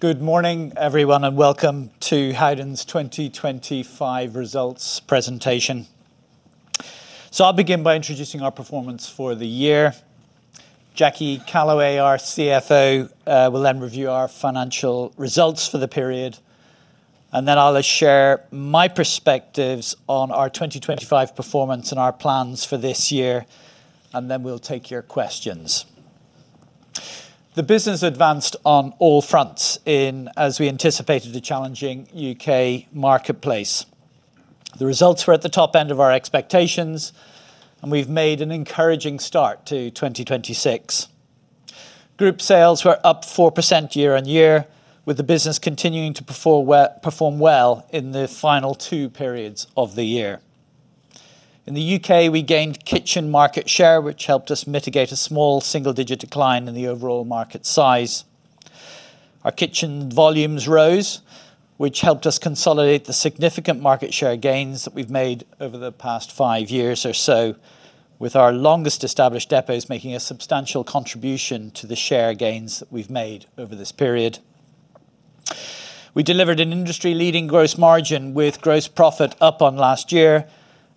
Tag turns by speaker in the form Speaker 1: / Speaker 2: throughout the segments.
Speaker 1: Good morning, everyone, and welcome to Howden's 2025 results presentation. I'll begin by introducing our performance for the year. Jackie Callaway, our CFO, will then review our financial results for the period, and then I'll share my perspectives on our 2025 performance and our plans for this year, and then we'll take your questions. The business advanced on all fronts in, as we anticipated, a challenging U.K. marketplace. The results were at the top end of our expectations, and we've made an encouraging start to 2026. Group sales were up 4% year-on-year, with the business continuing to perform well in the final two periods of the year. In the U.K., we gained kitchen market share, which helped us mitigate a small single digit decline in the overall market size. Our kitchen volumes rose, which helped us consolidate the significant market share gains that we've made over the past five years or so, with our longest-established depots making a substantial contribution to the share gains that we've made over this period. We delivered an industry-leading gross margin, with gross profit up on last year,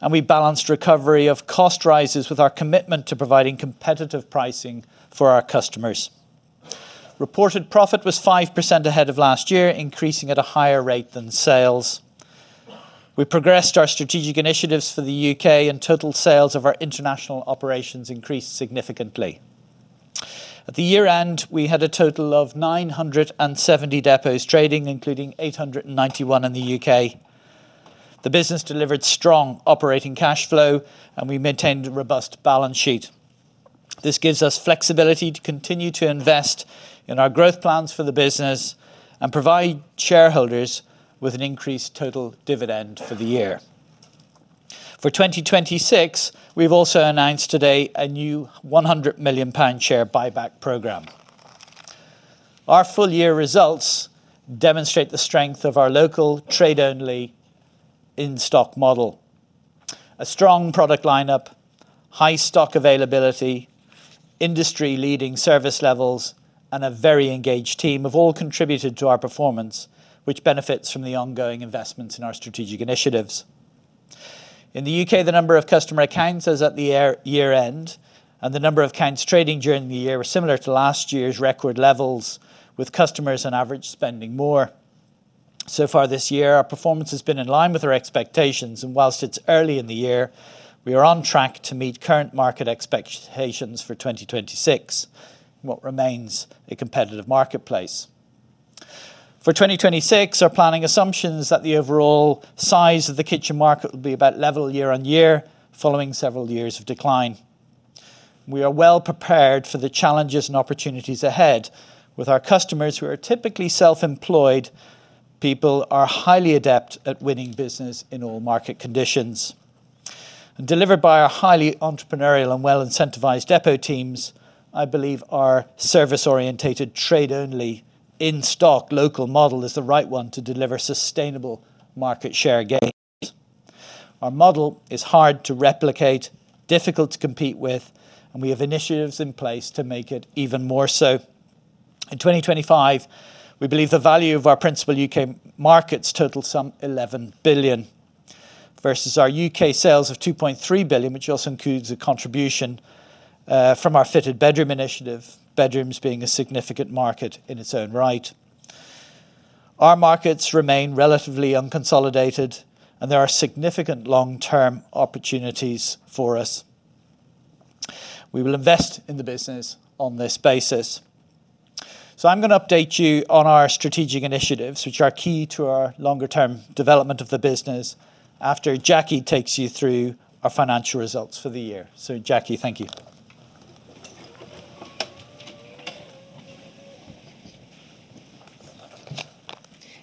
Speaker 1: and we balanced recovery of cost rises with our commitment to providing competitive pricing for our customers. Reported profit was 5% ahead of last year, increasing at a higher rate than sales. We progressed our strategic initiatives for the U.K., and total sales of our international operations increased significantly. At the year-end, we had a total of 970 depots trading, including 891 in the U.K. The business delivered strong operating cash flow, and we maintained a robust balance sheet. This gives us flexibility to continue to invest in our growth plans for the business and provide shareholders with an increased total dividend for the year. For 2026, we've also announced today a new 100 million pound share buyback program. Our full-year results demonstrate the strength of our local trade-only in-stock model. A strong product lineup, high stock availability, industry-leading service levels, and a very engaged team have all contributed to our performance, which benefits from the ongoing investments in our strategic initiatives. In the U.K., the number of customer accounts is at the year-end, and the number of accounts trading during the year were similar to last year's record levels, with customers on average spending more. So far this year, our performance has been in line with our expectations, and whilst it's early in the year, we are on track to meet current market expectations for 2026 in what remains a competitive marketplace. For 2026, our planning assumption is that the overall size of the kitchen market will be about level year-on-year, following several years of decline. We are well prepared for the challenges and opportunities ahead with our customers, who are typically self-employed people, are highly adept at winning business in all market conditions. Delivered by our highly entrepreneurial and well-incentivized depot teams, I believe our service-oriented, trade-only, in-stock, local model is the right one to deliver sustainable market share gains. Our model is hard to replicate, difficult to compete with, and we have initiatives in place to make it even more so. In 2025, we believe the value of our principal U.K. markets total some 11 billion, versus our U.K. sales of 2.3 billion, which also includes a contribution from our fitted bedroom initiative, bedrooms being a significant market in its own right. Our markets remain relatively unconsolidated. There are significant long-term opportunities for us. We will invest in the business on this basis. I'm going to update you on our strategic initiatives, which are key to our longer-term development of the business, after Jackie takes you through our financial results for the year. Jackie, thank you.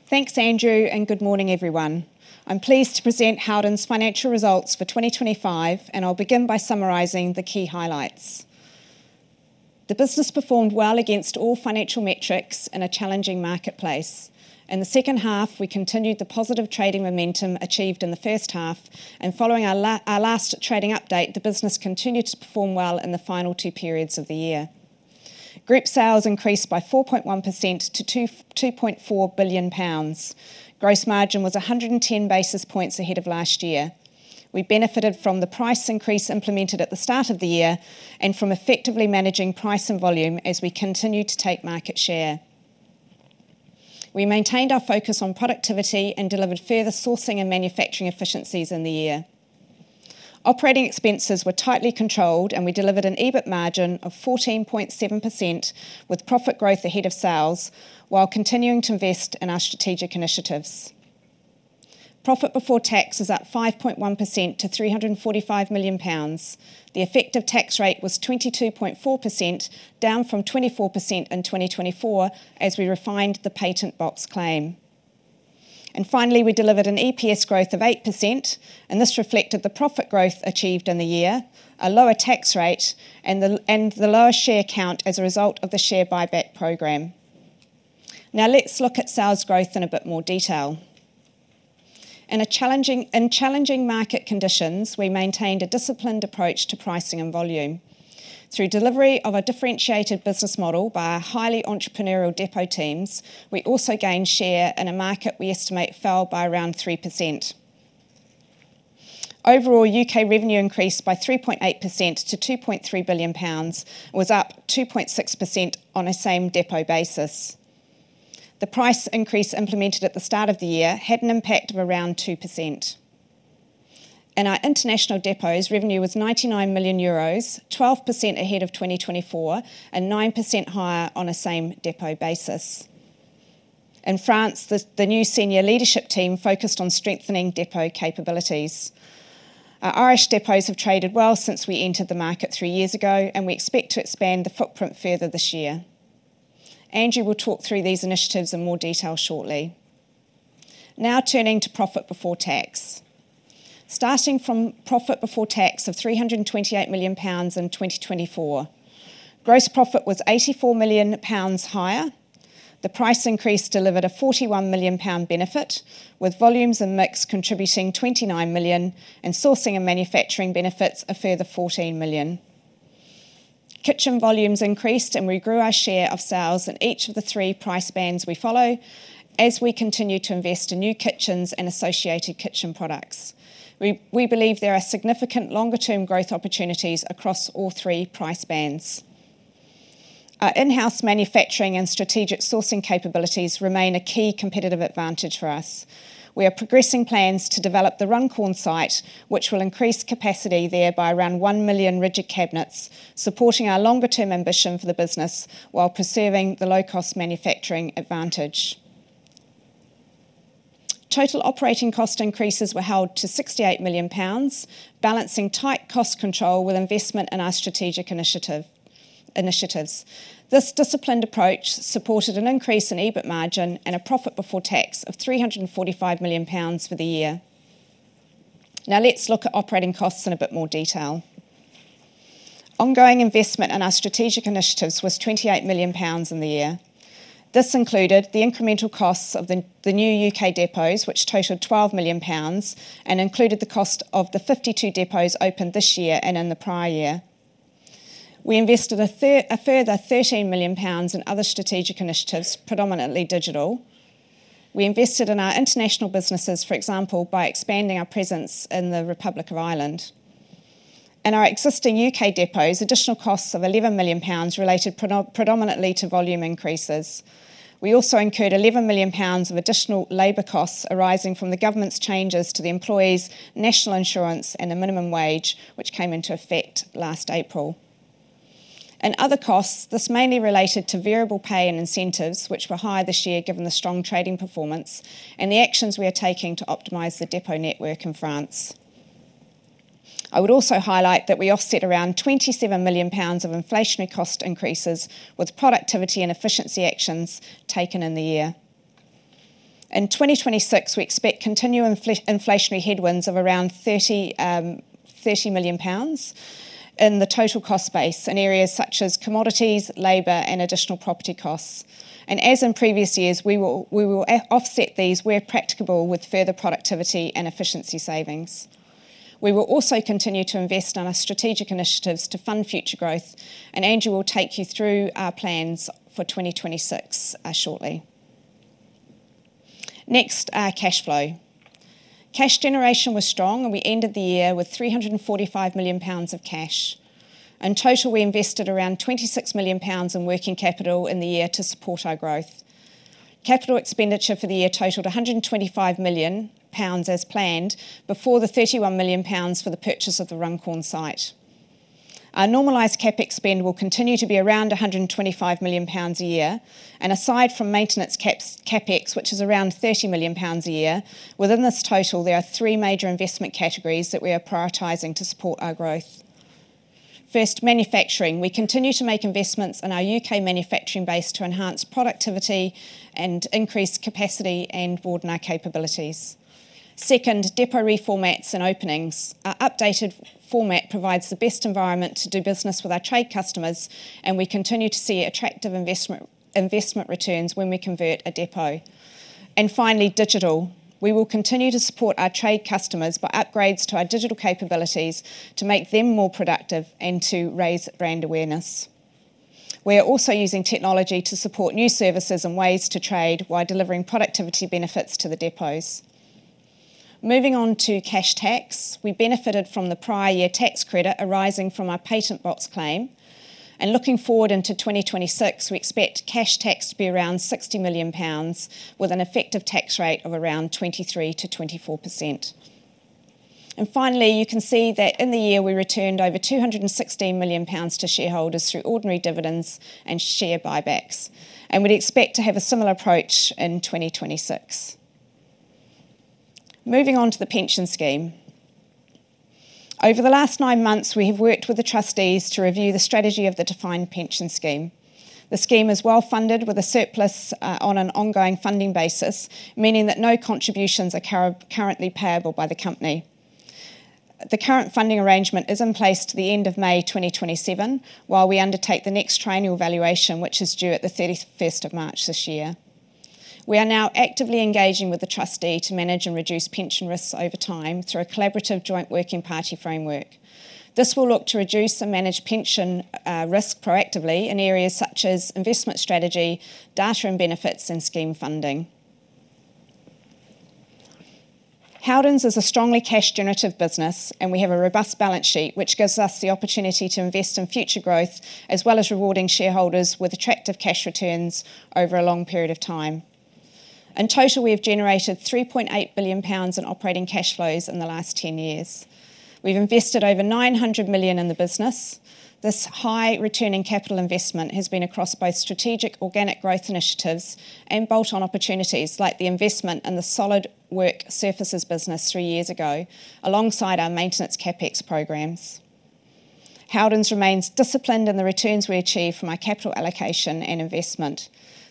Speaker 2: Thanks, Andrew. Good morning, everyone. I'm pleased to present Howden's financial results for 2025. I'll begin by summarizing the key highlights. The business performed well against all financial metrics in a challenging marketplace. In the second half, we continued the positive trading momentum achieved in the first half. Following our last trading update, the business continued to perform well in the final two periods of the year. Group sales increased by 4.1% to 2.4 billion pounds. Gross margin was 110 basis points ahead of last year. We benefited from the price increase implemented at the start of the year and from effectively managing price and volume as we continued to take market share. We maintained our focus on productivity and delivered further sourcing and manufacturing efficiencies in the year. Operating expenses were tightly controlled, and we delivered an EBIT margin of 14.7%, with profit growth ahead of sales, while continuing to invest in our strategic initiatives. Profit before tax is at 5.1% to 345 million pounds. The effective tax rate was 22.4%, down from 24% in 2024, as we refined the Patent Box claim. Finally, we delivered an EPS growth of 8%, and this reflected the profit growth achieved in the year, a lower tax rate, and the lower share count as a result of the share buyback program. Now, let's look at sales growth in a bit more detail. In challenging market conditions, we maintained a disciplined approach to pricing and volume. Through delivery of a differentiated business model by our highly entrepreneurial depot teams, we also gained share in a market we estimate fell by around 3%. Overall, U.K. revenue increased by 3.8% to 2.3 billion pounds, was up 2.6% on a same depot basis. The price increase implemented at the start of the year had an impact of around 2%. In our international depots, revenue was 99 million euros, 12% ahead of 2024, and 9% higher on a same depot basis. In France, the new senior leadership team focused on strengthening depot capabilities. Our Irish depots have traded well since we entered the market three years ago, and we expect to expand the footprint further this year. Andrew will talk through these initiatives in more detail shortly. Now, turning to profit before tax. Starting from profit before tax of 328 million pounds in 2024, gross profit was 84 million pounds higher. The price increase delivered a 41 million pound benefit, with volumes and mix contributing 29 million, and sourcing and manufacturing benefits a further 14 million. Kitchen volumes increased. We grew our share of sales in each of the three price bands we follow as we continue to invest in new kitchens and associated kitchen products. We believe there are significant longer-term growth opportunities across all three price bands. Our in-house manufacturing and strategic sourcing capabilities remain a key competitive advantage for us. We are progressing plans to develop the Runcorn site, which will increase capacity there by around 1 million rigid cabinets, supporting our longer-term ambition for the business, while preserving the low-cost manufacturing advantage. Total operating cost increases were held to 68 million pounds, balancing tight cost control with investment in our strategic initiatives. This disciplined approach supported an increase in EBIT margin and a profit before tax of 345 million pounds for the year. Let's look at operating costs in a bit more detail. Ongoing investment in our strategic initiatives was 28 million pounds in the year. This included the incremental costs of the new U.K. depots, which totaled 12 million pounds and included the cost of the 52 depots opened this year and in the prior year. We invested a further GBP 13 million in other strategic initiatives, predominantly digital. We invested in our international businesses, for example, by expanding our presence in the Republic of Ireland. In our existing U.K. depots, additional costs of 11 million pounds related predominantly to volume increases. We also incurred 11 million pounds of additional labor costs arising from the government's changes to the employees' national insurance and the minimum wage, which came into effect last April. In other costs, this mainly related to variable pay and incentives, which were higher this year, given the strong trading performance and the actions we are taking to optimize the depot network in France. I would also highlight that we offset around 27 million pounds of inflationary cost increases with productivity and efficiency actions taken in the year. In 2026, we expect continuing inflationary headwinds of around 30 million pounds in the total cost base, in areas such as commodities, labor, and additional property costs. As in previous years, we will offset these where practicable with further productivity and efficiency savings. We will also continue to invest in our strategic initiatives to fund future growth. Andrew will take you through our plans for 2026 shortly. Next, our cash flow. Cash generation was strong. We ended the year with 345 million pounds of cash. In total, we invested around 26 million pounds in working capital in the year to support our growth. Capital expenditure for the year totaled 125 million pounds, as planned, before the 31 million pounds for the purchase of the Runcorn site. Our normalized CapEx spend will continue to be around 125 million pounds a year. Aside from maintenance caps, CapEx, which is around 30 million pounds a year, within this total, there are three major investment categories that we are prioritizing to support our growth. First, manufacturing. We continue to make investments in our U.K. manufacturing base to enhance productivity and increase capacity and broaden our capabilities. Second, depot reformats and openings. Our updated format provides the best environment to do business with our trade customers, we continue to see attractive investment returns when we convert a depot. Finally, digital. We will continue to support our trade customers by upgrades to our digital capabilities to make them more productive and to raise brand awareness. We are also using technology to support new services and ways to trade, while delivering productivity benefits to the depots. Moving on to cash tax. We benefited from the prior year tax credit arising from our Patent Box claim. Looking forward into 2026, we expect cash tax to be around 60 million pounds, with an effective tax rate of around 23%-24%. Finally, you can see that in the year, we returned over 216 million pounds to shareholders through ordinary dividends and share buybacks, and we'd expect to have a similar approach in 2026. Moving on to the pension scheme. Over the last nine months, we have worked with the trustees to review the strategy of the defined pension scheme. The scheme is well-funded, with a surplus on an ongoing funding basis, meaning that no contributions are currently payable by the company. The current funding arrangement is in place to the end of May 2027, while we undertake the next triennial valuation, which is due at the 31st of March this year. We are now actively engaging with the trustee to manage and reduce pension risks over time through a collaborative joint working party framework. This will look to reduce and manage pension risk proactively in areas such as investment strategy, data and benefits, and scheme funding. Howdens is a strongly cash-generative business, and we have a robust balance sheet, which gives us the opportunity to invest in future growth, as well as rewarding shareholders with attractive cash returns over a long period of time. In total, we have generated £3.8 billion in operating cash flows in the last 10 years. We've invested over 900 million in the business. This high returning capital investment has been across both strategic organic growth initiatives and bolt-on opportunities, like the investment in the solid work surfaces business three years ago, alongside our maintenance CapEx programs. Howdens remains disciplined in the returns we achieve from our capital allocation and investment.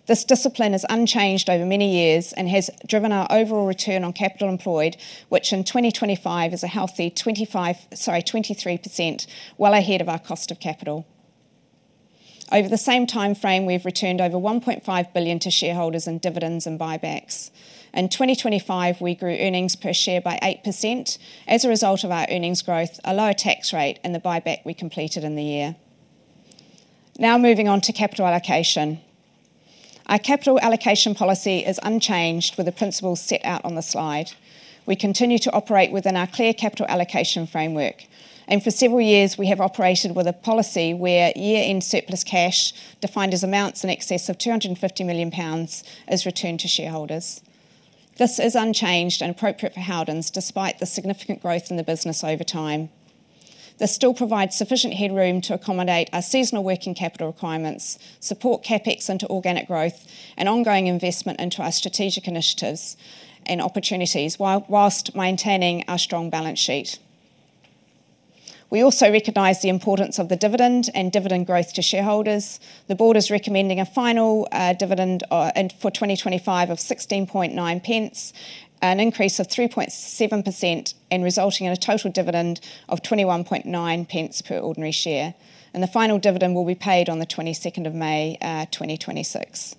Speaker 2: This discipline is unchanged over many years and has driven our overall return on capital employed, which in 2025 is a healthy 25%, sorry, 23%, well ahead of our cost of capital. Over the same timeframe, we've returned over 1.5 billion to shareholders in dividends and buybacks. In 2025, we grew earnings per share by 8% as a result of our earnings growth, a lower tax rate, and the buyback we completed in the year. Now, moving on to capital allocation. Our capital allocation policy is unchanged, with the principles set out on the slide. We continue to operate within our clear capital allocation framework, and for several years we have operated with a policy where year-end surplus cash, defined as amounts in excess of 250 million pounds, is returned to shareholders. This is unchanged and appropriate for Howdens, despite the significant growth in the business over time. This still provides sufficient headroom to accommodate our seasonal working capital requirements, support CapEx into organic growth, and ongoing investment into our strategic initiatives and opportunities, whilst maintaining our strong balance sheet. We also recognize the importance of the dividend and dividend growth to shareholders. The board is recommending a final dividend for 2025 of 0.169, an increase of 3.7%, and resulting in a total dividend of 0.219 per ordinary share. The final dividend will be paid on the 22nd of May, 2026.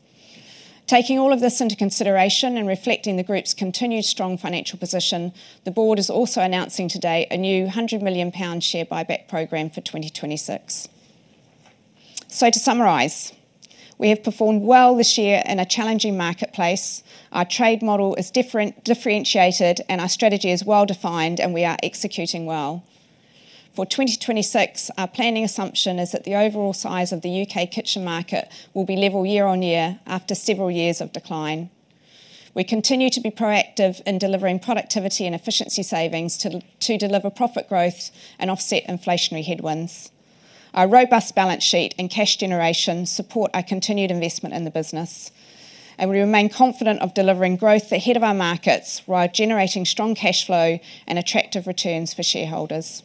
Speaker 2: Taking all of this into consideration and reflecting the group's continued strong financial position, the board is also announcing today a new 100 million pound share buyback program for 2026. To summarize, we have performed well this year in a challenging marketplace. Our trade model is differentiated, our strategy is well defined, and we are executing well. For 2026, our planning assumption is that the overall size of the U.K. kitchen market will be level year-on-year after several years of decline. We continue to be proactive in delivering productivity and efficiency savings to deliver profit growth and offset inflationary headwinds. Our robust balance sheet and cash generation support our continued investment in the business, we remain confident of delivering growth ahead of our markets, while generating strong cash flow and attractive returns for shareholders.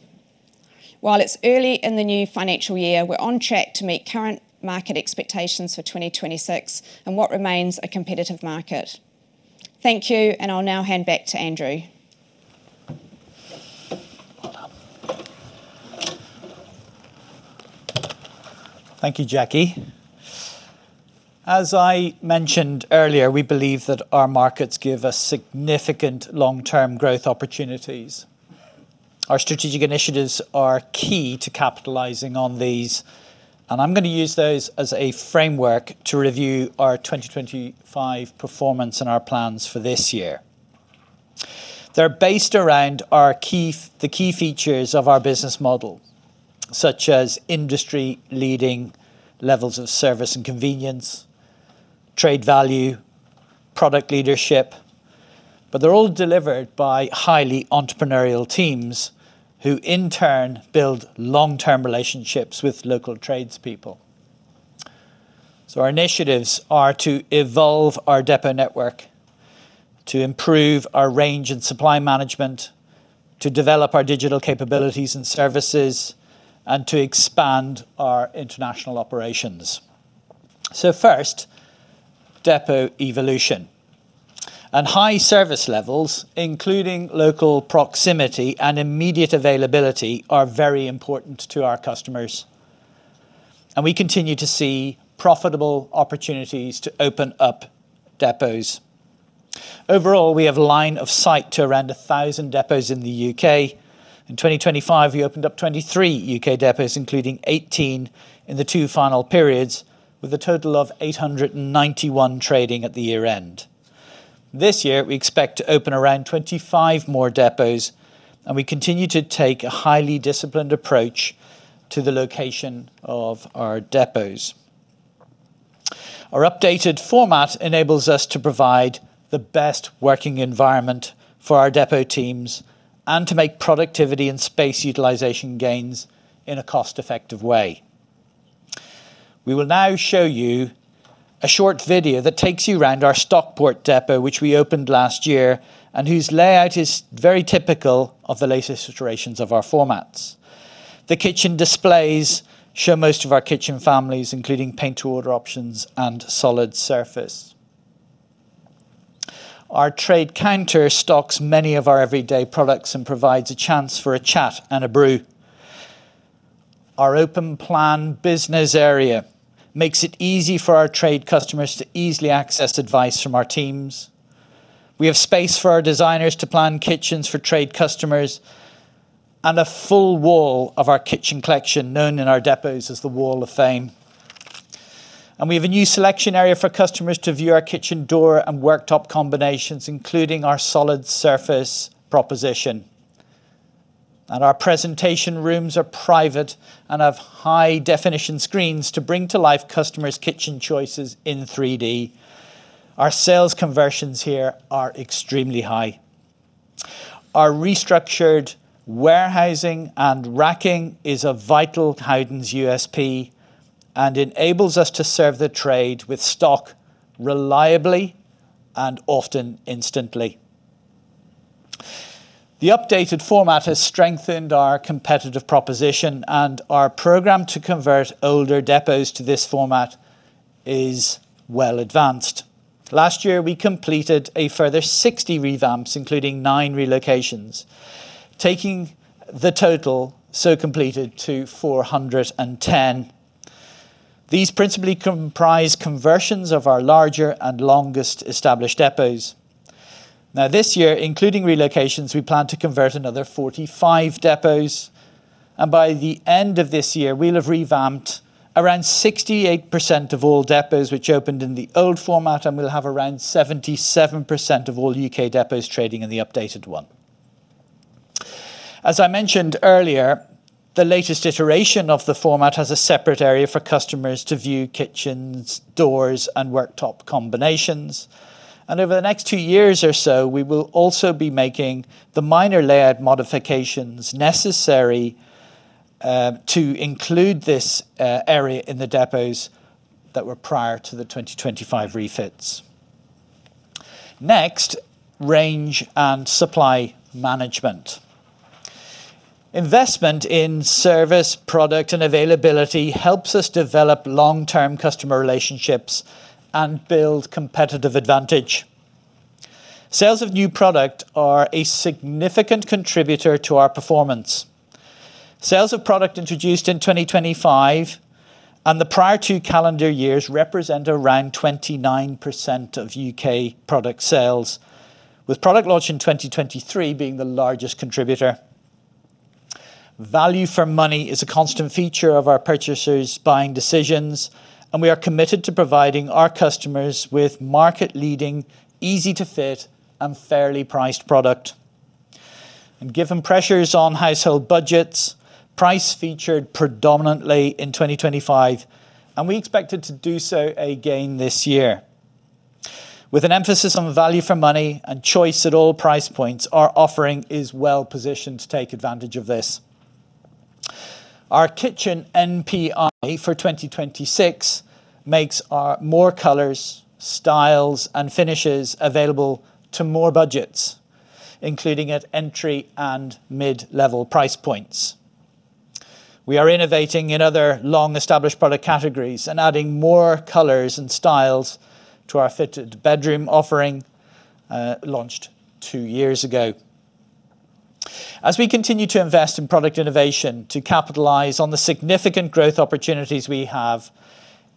Speaker 2: While it's early in the new financial year, we're on track to meet current market expectations for 2026 in what remains a competitive market. Thank you, I'll now hand back to Andrew.
Speaker 1: Thank you, Jackie. As I mentioned earlier, we believe that our markets give us significant long-term growth opportunities. Our strategic initiatives are key to capitalizing on these, and I'm going to use those as a framework to review our 2025 performance and our plans for this year. They're based around the key features of our business model, such as industry-leading levels of service and convenience, trade value, product leadership, but they're all delivered by highly entrepreneurial teams, who in turn build long-term relationships with local tradespeople. Our initiatives are to evolve our depot network, to improve our range and supply management, to develop our digital capabilities and services, and to expand our international operations. First, depot evolution, and high service levels, including local proximity and immediate availability, are very important to our customers, and we continue to see profitable opportunities to open up depots. Overall, we have line of sight to around 1,000 depots in the U.K. In 2025, we opened up 23 U.K. depots, including 18 in the two final periods, with a total of 891 trading at the year-end. This year, we expect to open around 25 more depots. We continue to take a highly disciplined approach to the location of our depots. Our updated format enables us to provide the best working environment for our depot teams and to make productivity and space utilization gains in a cost-effective way. We will now show you a short video that takes you around our Stockport depot, which we opened last year, and whose layout is very typical of the latest iterations of our formats. The kitchen displays show most of our kitchen families, including Paint to Order options and solid surface. Our trade counter stocks many of our everyday products and provides a chance for a chat and a brew. Our open-plan business area makes it easy for our trade customers to easily access advice from our teams. We have space for our designers to plan kitchens for trade customers, a full Wall of Fame of our kitchen collection, known in our depots as the Wall of Fame. We have a new selection area for customers to view our kitchen door and worktop combinations, including our solid surface proposition. Our presentation rooms are private and have high-definition screens to bring to life customers' kitchen choices in 3D. Our sales conversions here are extremely high. Our restructured warehousing and racking is a vital Howdens' USP and enables us to serve the trade with stock reliably and often instantly. The updated format has strengthened our competitive proposition, and our program to convert older depots to this format is well advanced. Last year, we completed a further 60 revamps, including nine relocations, taking the total so completed to 410. These principally comprise conversions of our larger and longest-established depots. This year, including relocations, we plan to convert another 45 depots, and by the end of this year, we'll have revamped around 68% of all depots which opened in the old format, and we'll have around 77% of all U.K. depots trading in the updated one. As I mentioned earlier, the latest iteration of the format has a separate area for customers to view kitchens, doors, and worktop combinations. Over the next two years or so, we will also be making the minor layout modifications necessary to include this area in the depots that were prior to the 2025 refits. Range and supply management. Investment in service, product, and availability helps us develop long-term customer relationships and build competitive advantage. Sales of new product are a significant contributor to our performance. Sales of product introduced in 2025 and the prior two calendar years represent around 29% of U.K. product sales, with product launch in 2023 being the largest contributor. Value for money is a constant feature of our purchasers' buying decisions, and we are committed to providing our customers with market-leading, easy-to-fit, and fairly priced product. Given pressures on household budgets, price featured predominantly in 2025, and we expected to do so again this year. With an emphasis on value for money and choice at all price points, our offering is well-positioned to take advantage of this. Our kitchen NPI for 2026 makes more colors, styles, and finishes available to more budgets, including at entry and mid-level price points. We are innovating in other long-established product categories and adding more colors and styles to our fitted bedroom offering, launched two years ago. As we continue to invest in product innovation to capitalize on the significant growth opportunities we have,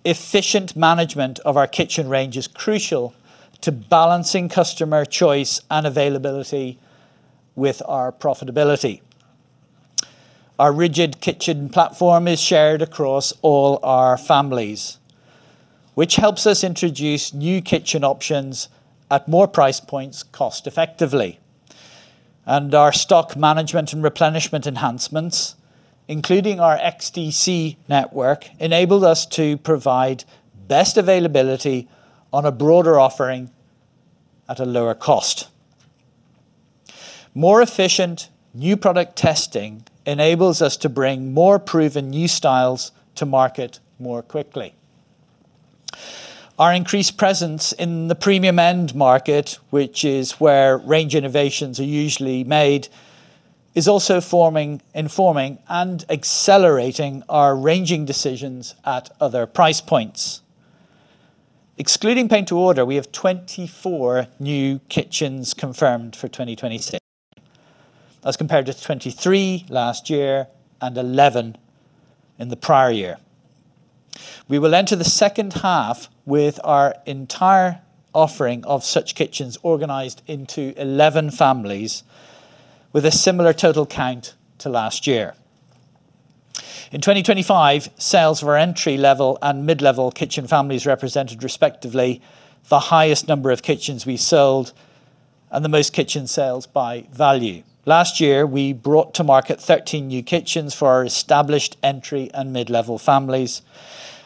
Speaker 1: efficient management of our kitchen range is crucial to balancing customer choice and availability with our profitability. Our rigid kitchen platform is shared across all our families, which helps us introduce new kitchen options at more price points cost-effectively. Our stock management and replenishment enhancements, including our XDC network, enabled us to provide best availability on a broader offering at a lower cost. More efficient new product testing enables us to bring more proven new styles to market more quickly. Our increased presence in the premium-end market, which is where range innovations are usually made, is also forming, informing, and accelerating our ranging decisions at other price points. Excluding Paint to Order, we have 24 new kitchens confirmed for 2026. That's compared to 23 last year and 11 in the prior year. We will enter the second half with our entire offering of such kitchens organized into 11 families, with a similar total count to last year. In 2025, sales of our entry-level and mid-level kitchen families represented respectively, the highest number of kitchens we sold and the most kitchen sales by value. Last year, we brought to market 13 new kitchens for our established entry and mid-level families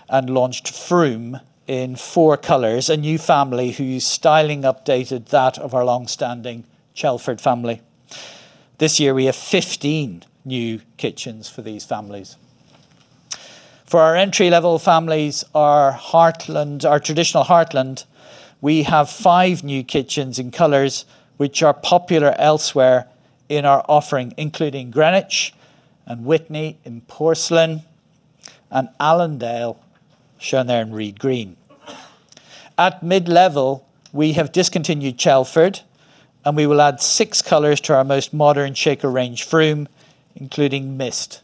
Speaker 1: and launched Frome in four colors, a new family whose styling updated that of our long-standing Chelford family. This year, we have 15 new kitchens for these families. For our entry-level families, our Heartland, our traditional Heartland, we have five new kitchens in colors which are popular elsewhere in our offering, including Greenwich and Witney in porcelain and Allendale, shown there in reed green. At mid-level, we have discontinued Chelford, and we will add six colors to our most modern Shaker range, Frome, including Mist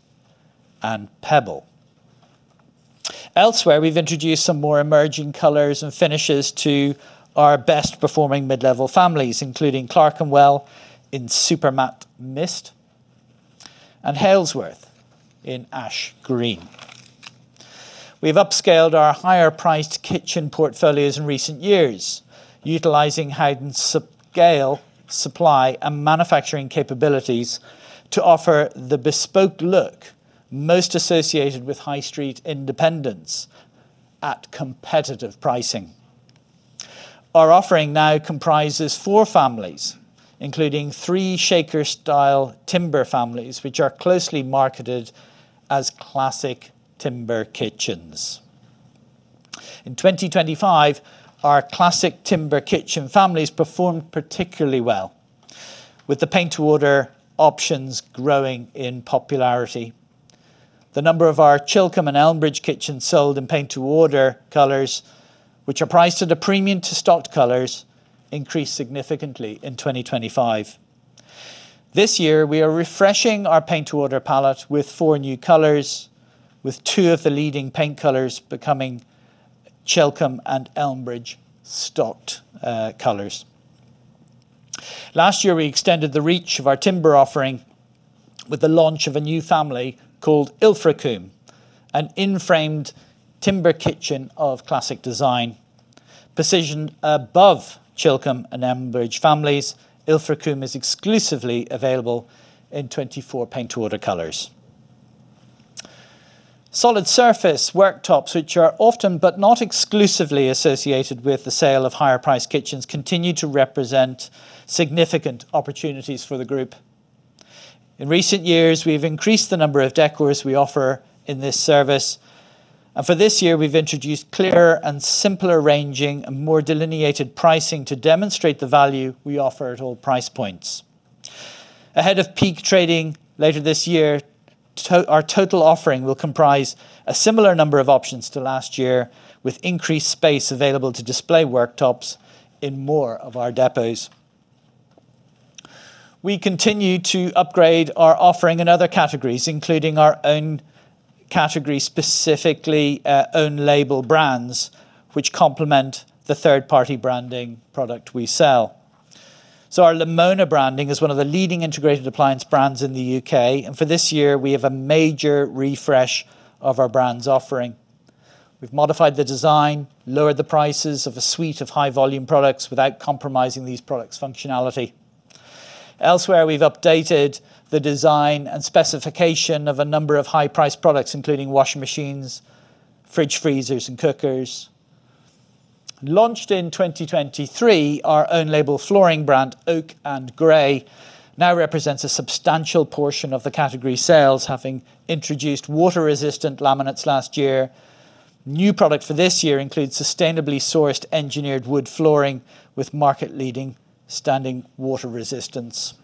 Speaker 1: and Pebble. Elsewhere, we've introduced some more emerging colors and finishes to our best-performing mid-level families, including Clerkenwell in super matte mist and Halesworth in ash green. We've upscaled our higher-priced kitchen portfolios in recent years, utilizing Howdens sub scale supply and manufacturing capabilities to offer the bespoke look most associated with high street independence at competitive pricing. Our offering now comprises four families, including three Shaker-style timber families, which are closely marketed as Classic Timber Kitchens. In 2025, our Classic Timber Kitchens families performed particularly well, with the Paint to Order options growing in popularity. The number of our Chilcomb and Elmbridge kitchens sold in Paint to Order colors, which are priced at a premium to stocked colors, increased significantly in 2025. This year, we are refreshing our Paint to Order palette with four new colors, with two of the leading paint colors becoming Chilcomb and Elmbridge stocked colors. Last year, we extended the reach of our timber offering with the launch of a new family called Ilfracombe, an in-framed timber kitchen of classic design. Positioned above Chilcomb and Elmbridge families, Ilfracombe is exclusively available in 24 Paint to Order colors. Solid surface worktops, which are often, but not exclusively, associated with the sale of higher priced kitchens, continue to represent significant opportunities for the group. In recent years, we've increased the number of decors we offer in this service, and for this year we've introduced clearer and simpler ranging and more delineated pricing to demonstrate the value we offer at all price points. Ahead of peak trading later this year, our total offering will comprise a similar number of options to last year, with increased space available to display worktops in more of our depots. We continue to upgrade our offering in other categories, including our own category, specifically, own label brands, which complement the third-party branding product we sell. Our Lamona branding is one of the leading integrated appliance brands in the U.K. For this year, we have a major refresh of our brand's offering. We've modified the design, lowered the prices of a suite of high-volume products without compromising these products' functionality. Elsewhere, we've updated the design and specification of a number of high-priced products, including washing machines, fridge freezers, and cookers. Launched in 2023, our own label flooring brand, Oake and Gray, now represents a substantial portion of the category sales, having introduced water-resistant laminates last year. New product for this year includes sustainably sourced engineered wood flooring with market-leading standing water resistance.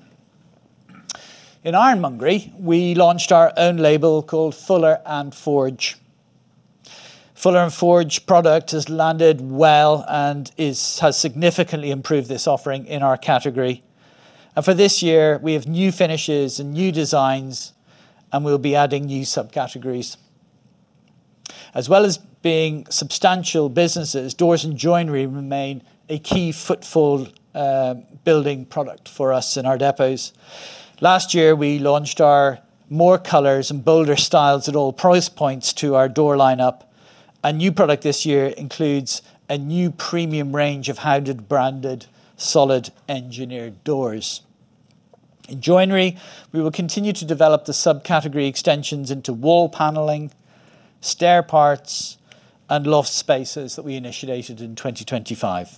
Speaker 1: In ironmongery, we launched our own label called Fuller and Forge. Fuller and Forge product has landed well and has significantly improved this offering in our category. For this year, we have new finishes and new designs, and we'll be adding new subcategories. As well as being substantial businesses, doors and joinery remain a key footfall building product for us in our depots. Last year, we launched our more colors and bolder styles at all price points to our door lineup. A new product this year includes a new premium range of Howden-branded solid engineered doors. In joinery, we will continue to develop the subcategory extensions into wall paneling, stair parts, and loft spaces that we initiated in 2025.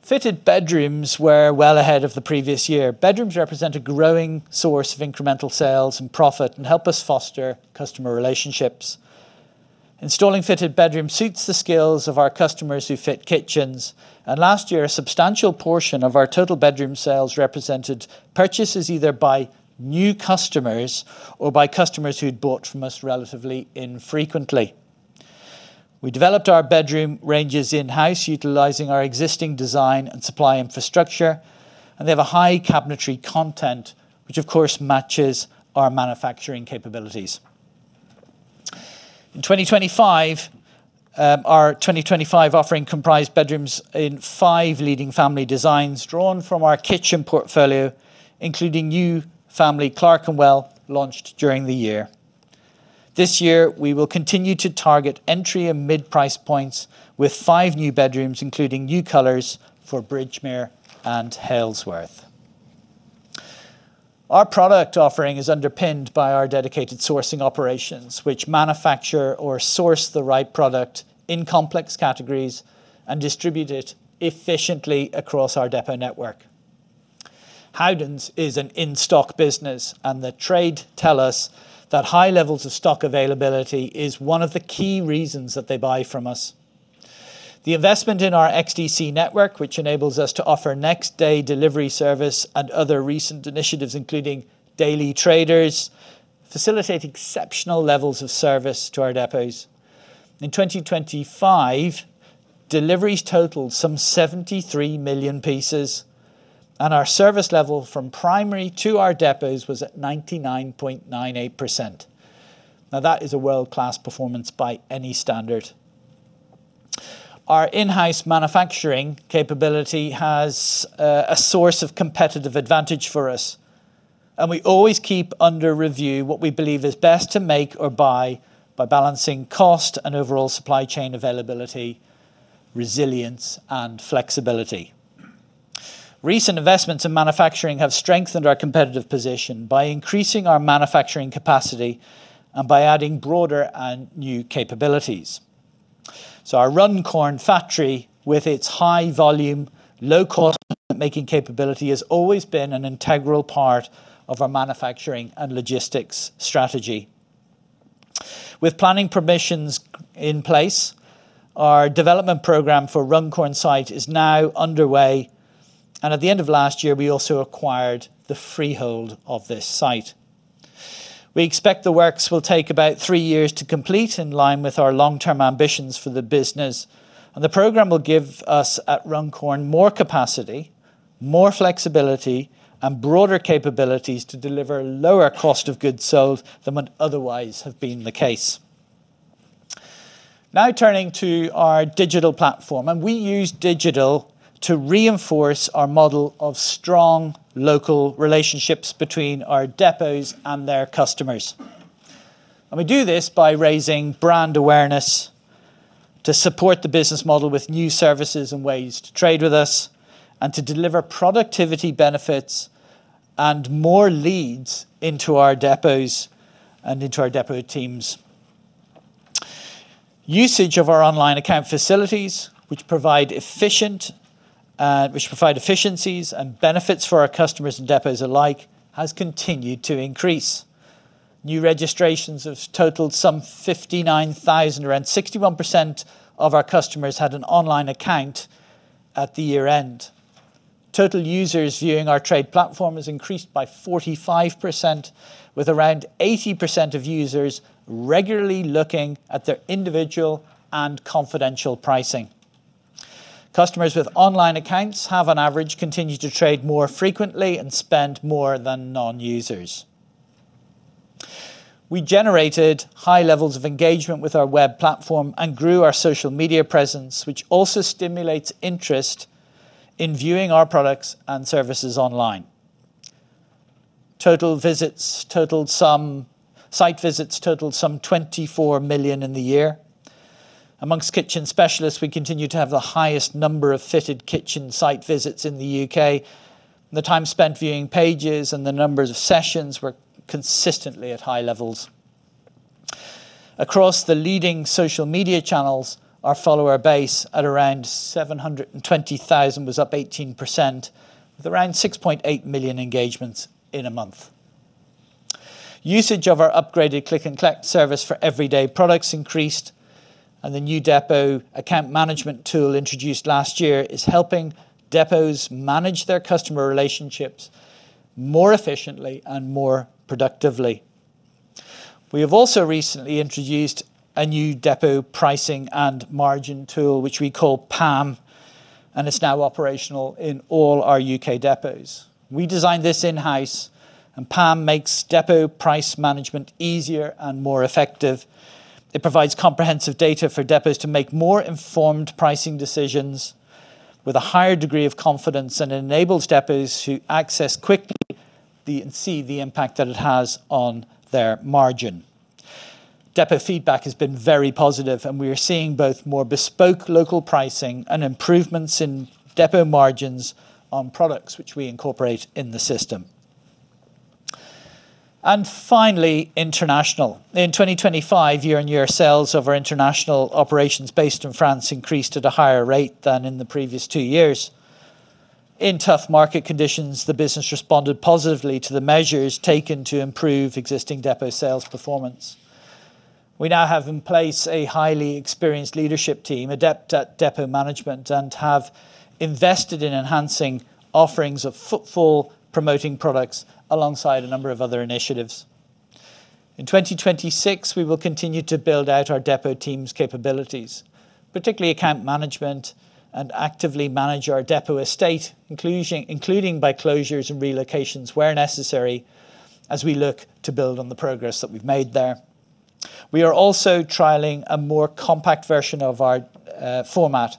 Speaker 1: Fitted bedrooms were well ahead of the previous year. Bedrooms represent a growing source of incremental sales and profit and help us foster customer relationships. Installing fitted bedroom suits the skills of our customers who fit kitchens. Last year, a substantial portion of our total bedroom sales represented purchases either by new customers or by customers who'd bought from us relatively infrequently. We developed our bedroom ranges in-house, utilizing our existing design and supply infrastructure. They have a high cabinetry content, which, of course, matches our manufacturing capabilities. In 2025, our 2025 offering comprised bedrooms in five leading family designs, drawn from our kitchen portfolio, including new family, Clerkenwell, launched during the year. This year, we will continue to target entry and mid-price points with five new bedrooms, including new colors for Bridgemere and Halesworth. Our product offering is underpinned by our dedicated sourcing operations, which manufacture or source the right product in complex categories and distribute it efficiently across our depot network. Howdens is an in-stock business. The trade tell us that high levels of stock availability is one of the key reasons that they buy from us. The investment in our XDC network, which enables us to offer next-day delivery service and other recent initiatives, including daily traders, facilitate exceptional levels of service to our depots. In 2025, deliveries totaled some 73 million pieces. Our service level from primary to our depots was at 99.98%. That is a world-class performance by any standard. Our in-house manufacturing capability has a source of competitive advantage for us. We always keep under review what we believe is best to make or buy by balancing cost and overall supply chain availability, resilience, and flexibility. Recent investments in manufacturing have strengthened our competitive position by increasing our manufacturing capacity and by adding broader and new capabilities. Our Runcorn factory, with its high volume, low cost making capability, has always been an integral part of our manufacturing and logistics strategy. With planning permissions in place, our development program for Runcorn site is now underway. At the end of last year, we also acquired the freehold of this site. We expect the works will take about three years to complete, in line with our long-term ambitions for the business. The program will give us, at Runcorn, more capacity, more flexibility, and broader capabilities to deliver lower cost of goods sold than would otherwise have been the case. Turning to our digital platform. We use digital to reinforce our model of strong local relationships between our depots and their customers. We do this by raising brand awareness to support the business model with new services and ways to trade with us and to deliver productivity benefits and more leads into our depots and into our depot teams. Usage of our online account facilities, which provide efficient, which provide efficiencies and benefits for our customers and depots alike, has continued to increase. New registrations have totaled some 59,000, around 61% of our customers had an online account at the year-end. Total users viewing our trade platform has increased by 45%, with around 80% of users regularly looking at their individual and confidential pricing. Customers with online accounts have, on average, continued to trade more frequently and spend more than non-users. We generated high levels of engagement with our web platform and grew our social media presence, which also stimulates interest in viewing our products and services online. site visits totaled some 24 million in the year. Among kitchen specialists, we continue to have the highest number of fitted kitchen site visits in the U.K. The time spent viewing pages and the numbers of sessions were consistently at high levels. Across the leading social media channels, our follower base, at around 720,000, was up 18%, with around 6.8 million engagements in a month. Usage of our upgraded click-and-collect service for everyday products increased. The new depot account management tool introduced last year is helping depots manage their customer relationships more efficiently and more productively. We have also recently introduced a new depot pricing and margin tool, which we call PALM, and it's now operational in all our U.K. depots. We designed this in-house. PALM makes depot price management easier and more effective. It provides comprehensive data for depots to make more informed pricing decisions with a higher degree of confidence and enables depots to access quickly and see the impact that it has on their margin. Depot feedback has been very positive, and we are seeing both more bespoke local pricing and improvements in depot margins on products which we incorporate in the system. Finally, international. In 2025, year-on-year sales of our international operations based in France increased at a higher rate than in the previous two years. In tough market conditions, the business responded positively to the measures taken to improve existing depot sales performance. We now have in place a highly experienced leadership team, adept at depot management, and have invested in enhancing offerings of footfall, promoting products, alongside a number of other initiatives. In 2026, we will continue to build out our depot teams' capabilities, particularly account management and actively manage our depot estate, including by closures and relocations where necessary, as we look to build on the progress that we've made there. We are also trialing a more compact version of our format,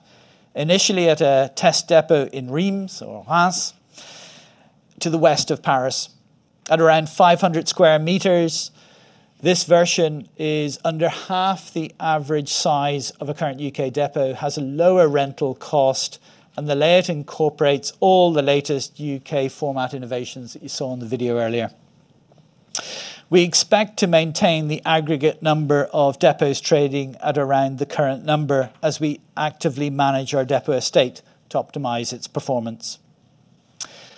Speaker 1: initially at a test depot in Reims, to the West of Paris. At around 500 square meters, this version is under half the average size of a current U.K. depot, has a lower rental cost, and the layout incorporates all the latest U.K. format innovations that you saw in the video earlier. We expect to maintain the aggregate number of depots trading at around the current number as we actively manage our depot estate to optimize its performance.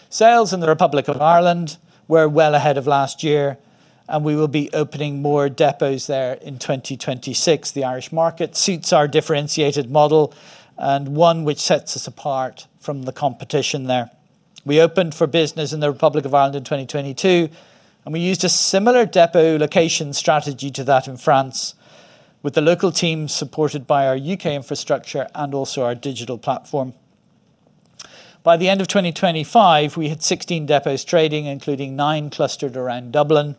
Speaker 1: Sales in the Republic of Ireland were well ahead of last year, we will be opening more depots there in 2026. The Irish market suits our differentiated model and one which sets us apart from the competition there. We opened for business in the Republic of Ireland in 2022, we used a similar depot location strategy to that in France, with the local team supported by our U.K. infrastructure and also our digital platform. By the end of 2025, we had 16 depots trading, including nine clustered around Dublin,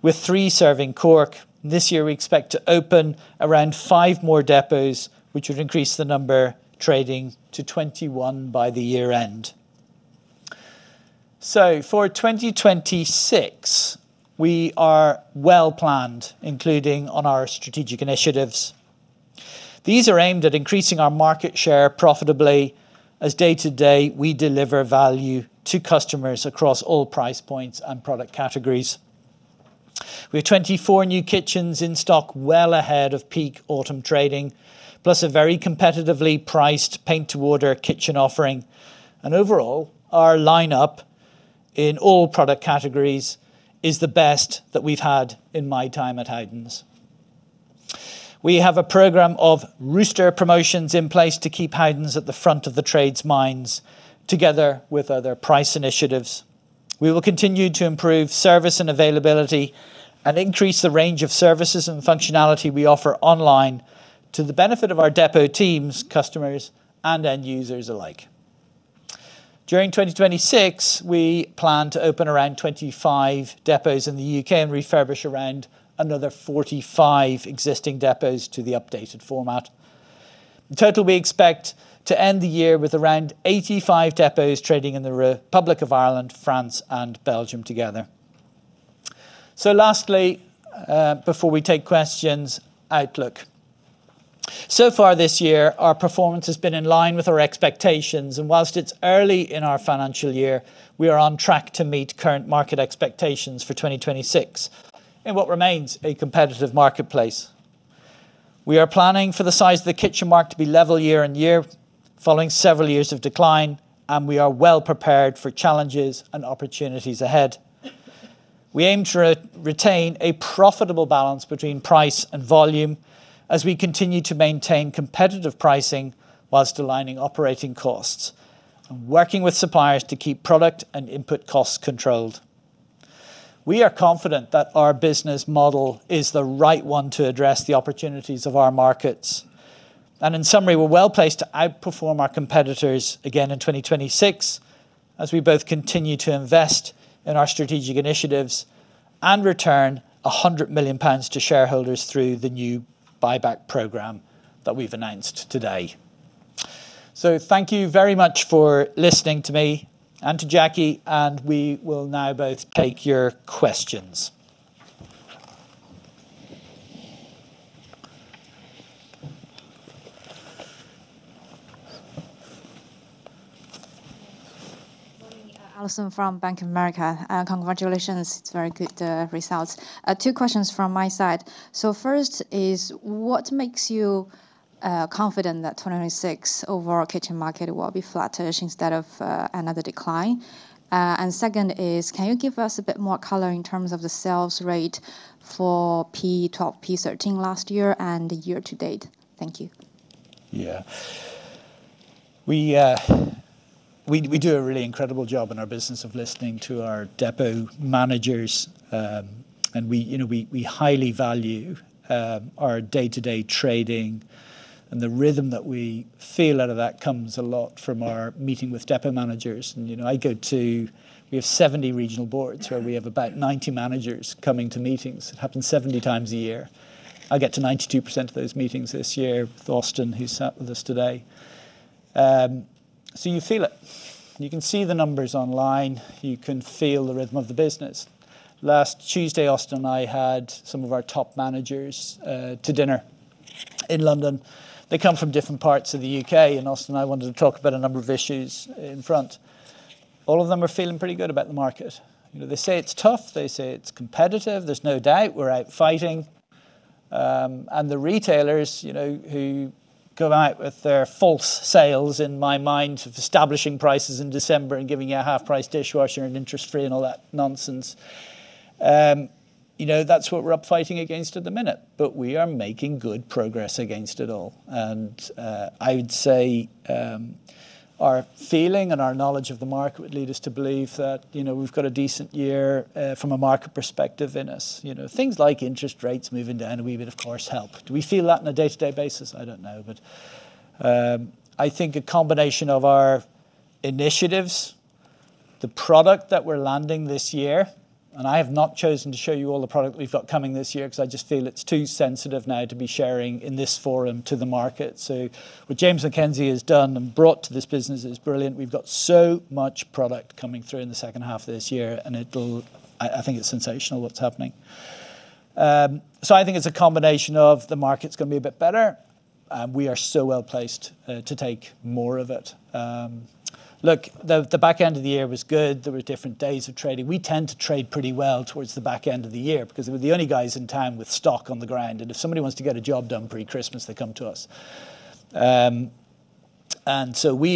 Speaker 1: with three serving Cork. This year, we expect to open around five more depots, which would increase the number trading to 21 by the year-end. For 2026, we are well planned, including on our strategic initiatives. These are aimed at increasing our market share profitably, as day-to-day, we deliver value to customers across all price points and product categories. We have 24 new kitchens in stock, well ahead of peak autumn trading, plus a very competitively priced Paint to Order kitchen offering. Overall, our lineup in all product categories is the best that we've had in my time at Howdens. We have a program of Rooster deals in place to keep Howdens at the front of the trades minds, together with other price initiatives. We will continue to improve service and availability and increase the range of services and functionality we offer online to the benefit of our depot teams, customers, and end users alike. During 2026, we plan to open around 25 depots in the U.K. and refurbish around another 45 existing depots to the updated format. In total, we expect to end the year with around 85 depots trading in the Republic of Ireland, France, and Belgium together. Lastly, before we take questions, outlook. So far this year, our performance has been in line with our expectations, and whilst it's early in our financial year, we are on track to meet current market expectations for 2026 in what remains a competitive marketplace. We are planning for the size of the kitchen market to be level year and year, following several years of decline, and we are well prepared for challenges and opportunities ahead. We aim to retain a profitable balance between price and volume as we continue to maintain competitive pricing whilst aligning operating costs and working with suppliers to keep product and input costs controlled. We are confident that our business model is the right one to address the opportunities of our markets. In summary, we're well-placed to outperform our competitors again in 2026, as we both continue to invest in our strategic initiatives and return 100 million pounds to shareholders through the new buyback program that we've announced today. Thank you very much for listening to me and to Jackie, and we will now both take your questions.
Speaker 3: Morning. Allison from Bank of America. Congratulations. It's very good results. Two questions from my side. First is: What makes you confident that 2026 overall kitchen market will be flattish instead of another decline? Second is, can you give us a bit more color in terms of the sales rate for P12, P13 last year and the year to date? Thank you.
Speaker 1: Yeah. We do a really incredible job in our business of listening to our depot managers, and we, you know, we highly value our day-to-day trading, and the rhythm that we feel out of that comes a lot from our meeting with depot managers. You know, I go to. We have 70 regional boards, where we have about 90 managers coming to meetings. It happens 70x a year. I get to 92% of those meetings this year with Austin, who's sat with us today. So you feel it. You can see the numbers online. You can feel the rhythm of the business. Last Tuesday, Austin and I had some of our top managers to dinner in London. They come from different parts of the U.K. Austin and I wanted to talk about a number of issues in front. All of them are feeling pretty good about the market. You know, they say it's tough. They say it's competitive. There's no doubt we're out fighting. The retailers, you know, who go out with their false sales, in my mind, of establishing prices in December and giving you a half-price dishwasher and interest-free and all that nonsense, you know, that's what we're up fighting against at the minute, but we are making good progress against it all. I would say our feeling and our knowledge of the market would lead us to believe that, you know, we've got a decent year from a market perspective in us. You know, things like interest rates moving down a wee bit, of course, help. Do we feel that on a day-to-day basis? I don't know. I think a combination of our initiatives, the product that we're landing this year, and I have not chosen to show you all the product we've got coming this year because I just feel it's too sensitive now to be sharing in this forum to the market. What James Mackenzie has done and brought to this business is brilliant. We've got so much product coming through in the second half of this year, and I think it's sensational what's happening. I think it's a combination of the market's going to be a bit better, and we are so well-placed to take more of it. Look, the back end of the year was good. There were different days of trading. We tend to trade pretty well towards the back end of the year because we're the only guys in town with stock on the ground, and if somebody wants to get a job done pre-Christmas, they come to us. We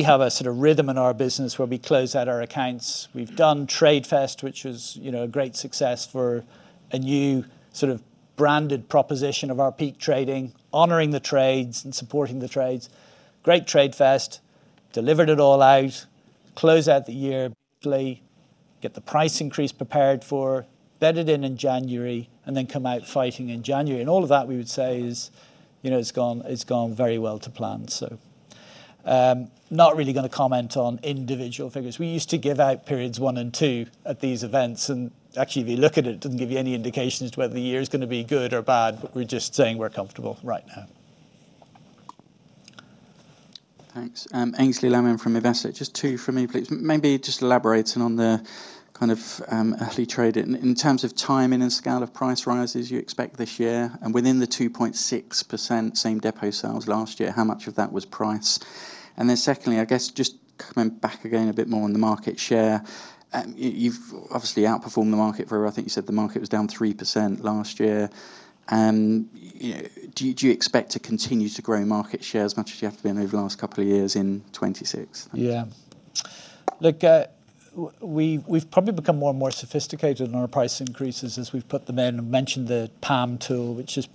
Speaker 1: have a sort of rhythm in our business where we close out our accounts. We've done Trade Fest, which was, you know, a great success for a new sort of branded proposition of our peak trading, honoring the trades and supporting the trades. Great Trade Fest, delivered it all out, close out the year play, get the price increase prepared for, bed it in in January, come out fighting in January. All of that, we would say is, you know, it's gone very well to plan. Not really going to comment on individual figures. We used to give out periods one and two at these events, and actually, if you look at it doesn't give you any indication as to whether the year is going to be good or bad, but we're just saying we're comfortable right now.
Speaker 4: Thanks. Aynsley Lammin from Investec. Just two from me, please. Maybe just elaborating on the kind of early trade in terms of timing and scale of price rises you expect this year, and within the 2.6% same depot sales last year, how much of that was price? Secondly, I guess just coming back again a bit more on the market share, you've obviously outperformed the market for... I think you said the market was down 3% last year. You know, do you expect to continue to grow market share as much as you have been over the last couple of years in 2026?
Speaker 1: Look, we've probably become more and more sophisticated in our price increases as we've put them in. I mentioned the PALM tool, which is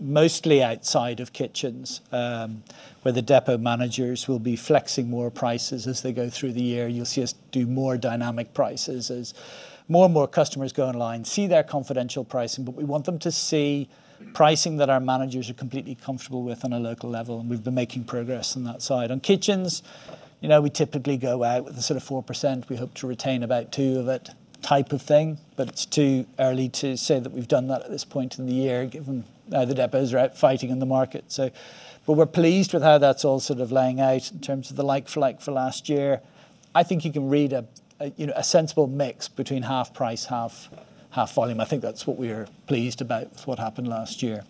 Speaker 1: mostly outside of kitchens, where the depot managers will be flexing more prices as they go through the year. You'll see us do more dynamic prices as more and more customers go online, see their confidential pricing. We want them to see pricing that our managers are completely comfortable with on a local level, and we've been making progress on that side. On kitchens, you know, we typically go out with a sort of 4%. We hope to retain about 2% of it type of thing, but it's too early to say that we've done that at this point in the year, given, the depots are out fighting in the market. But we're pleased with how that's all sort of laying out in terms of the like for like for last year. I think you can read a, you know, a sensible mix between half price, half volume. I think that's what we are pleased about with what happened last year.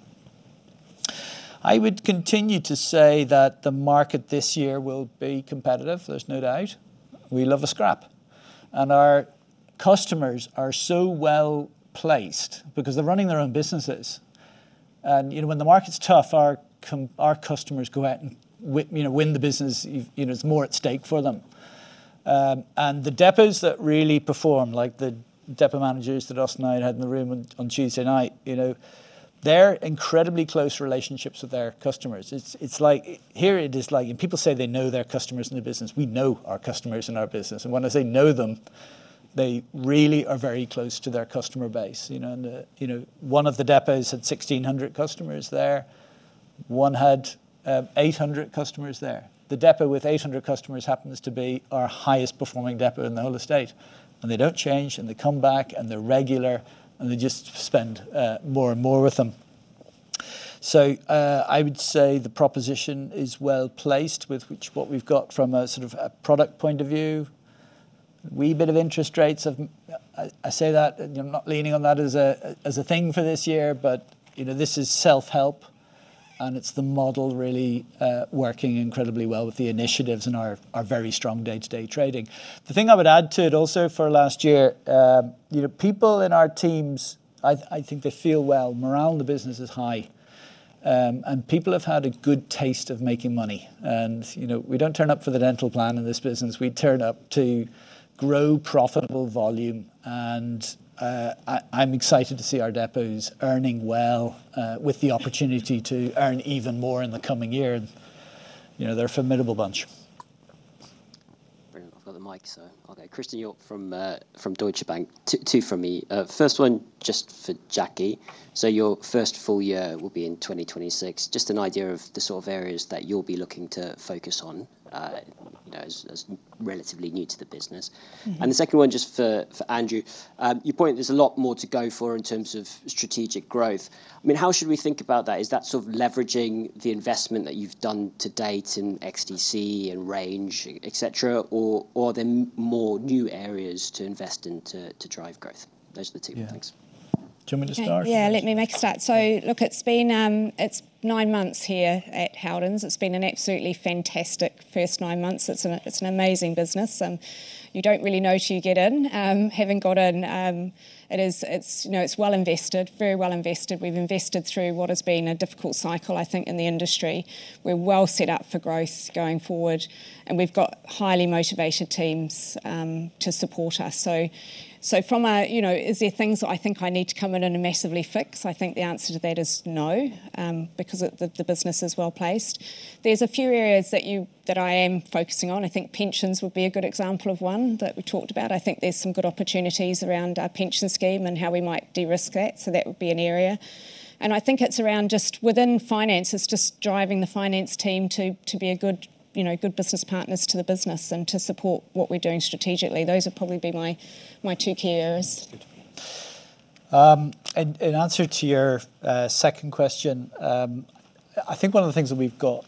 Speaker 1: I would continue to say that the market this year will be competitive. There's no doubt. We love a scrap, and our customers are so well placed because they're running their own businesses. You know, when the market's tough, our customers go out and, you know, win the business. You know, there's more at stake for them. The depots that really perform, like the depot managers that us and I had in the room on Tuesday night, you know, they're incredibly close relationships with their customers. It's like, here it is like, when people say they know their customers in the business, we know our customers in our business. When I say know them, they really are very close to their customer base, you know? You know, one of the depots had 1,600 customers there. One had 800 customers there. The depot with 800 customers happens to be our highest performing depot in the whole estate, and they don't change, and they come back, and they're regular, and they just spend more and more with them. I would say the proposition is well placed with which what we've got from a sort of a product point of view. Wee bit of interest rates of, I say that, and I'm not leaning on that as a, as a thing for this year, but, you know, this is self-help, and it's the model really, working incredibly well with the initiatives and our very strong day-to-day trading. The thing I would add to it also for last year, you know, people in our teams, I think they feel well. Morale in the business is high, and people have had a good taste of making money. You know, we don't turn up for the dental plan in this business. We turn up to grow profitable volume, I'm excited to see our depots earning well, with the opportunity to earn even more in the coming year. You know, they're a formidable bunch.
Speaker 5: Brilliant. I've got the mic, so I'll go. Christen Hjorth from Deutsche Bank. Two from me. First one, just for Jackie. Your first full year will be in 2026. Just an idea of the sort of areas that you'll be looking to focus on, you know, as relatively new to the business. The second one, just for Andrew. You point there's a lot more to go for in terms of strategic growth. I mean, how should we think about that? Is that sort of leveraging the investment that you've done to date in XDC and range, et cetera, or are there more new areas to invest in to drive growth? Those are the two things.
Speaker 1: Yeah. Do you want me to start?
Speaker 2: Let me make a start. Look, it's been, it's nine months here at Howdens. It's been an absolutely fantastic first nine months. It's an amazing business, you don't really know till you get in. Having got in, it is, it's, you know, it's well invested, very well invested. We've invested through what has been a difficult cycle, I think, in the industry. We're well set up for growth going forward. We've got highly motivated teams, to support us. From a, you know, is there things that I think I need to come in and massively fix? I think the answer to that is no. The business is well placed. There's a few areas that you, that I am focusing on. I think pensions would be a good example of one that we talked about. I think there's some good opportunities around our pension scheme and how we might de-risk that, so that would be an area. I think it's around just within finance, it's just driving the finance team to be a good, you know, good business partners to the business and to support what we're doing strategically. Those would probably be my two key areas.
Speaker 1: In answer to your second question, I think one of the things that we've got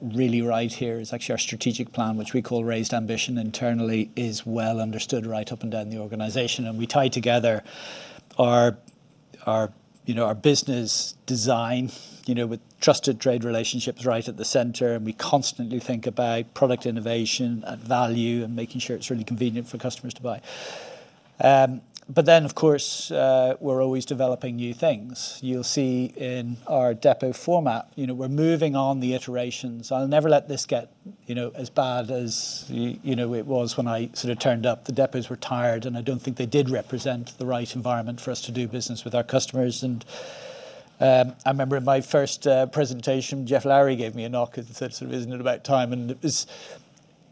Speaker 1: really right here is actually our strategic plan, which we call Raised Ambition internally, is well understood right up and down the organization. We tie together our, you know, our business design, you know, with trusted trade relationships right at the center, and we constantly think about product innovation and value and making sure it's really convenient for customers to buy. Of course, we're always developing new things. You'll see in our depot format, you know, we're moving on the iterations. I'll never let this get, you know, as bad as, you know, it was when I sort of turned up. The depots were tired, and I don't think they did represent the right environment for us to do business with our customers. I remember in my first presentation, Geoff Lowery gave me a knock and said: "Sort of, isn't it about time?"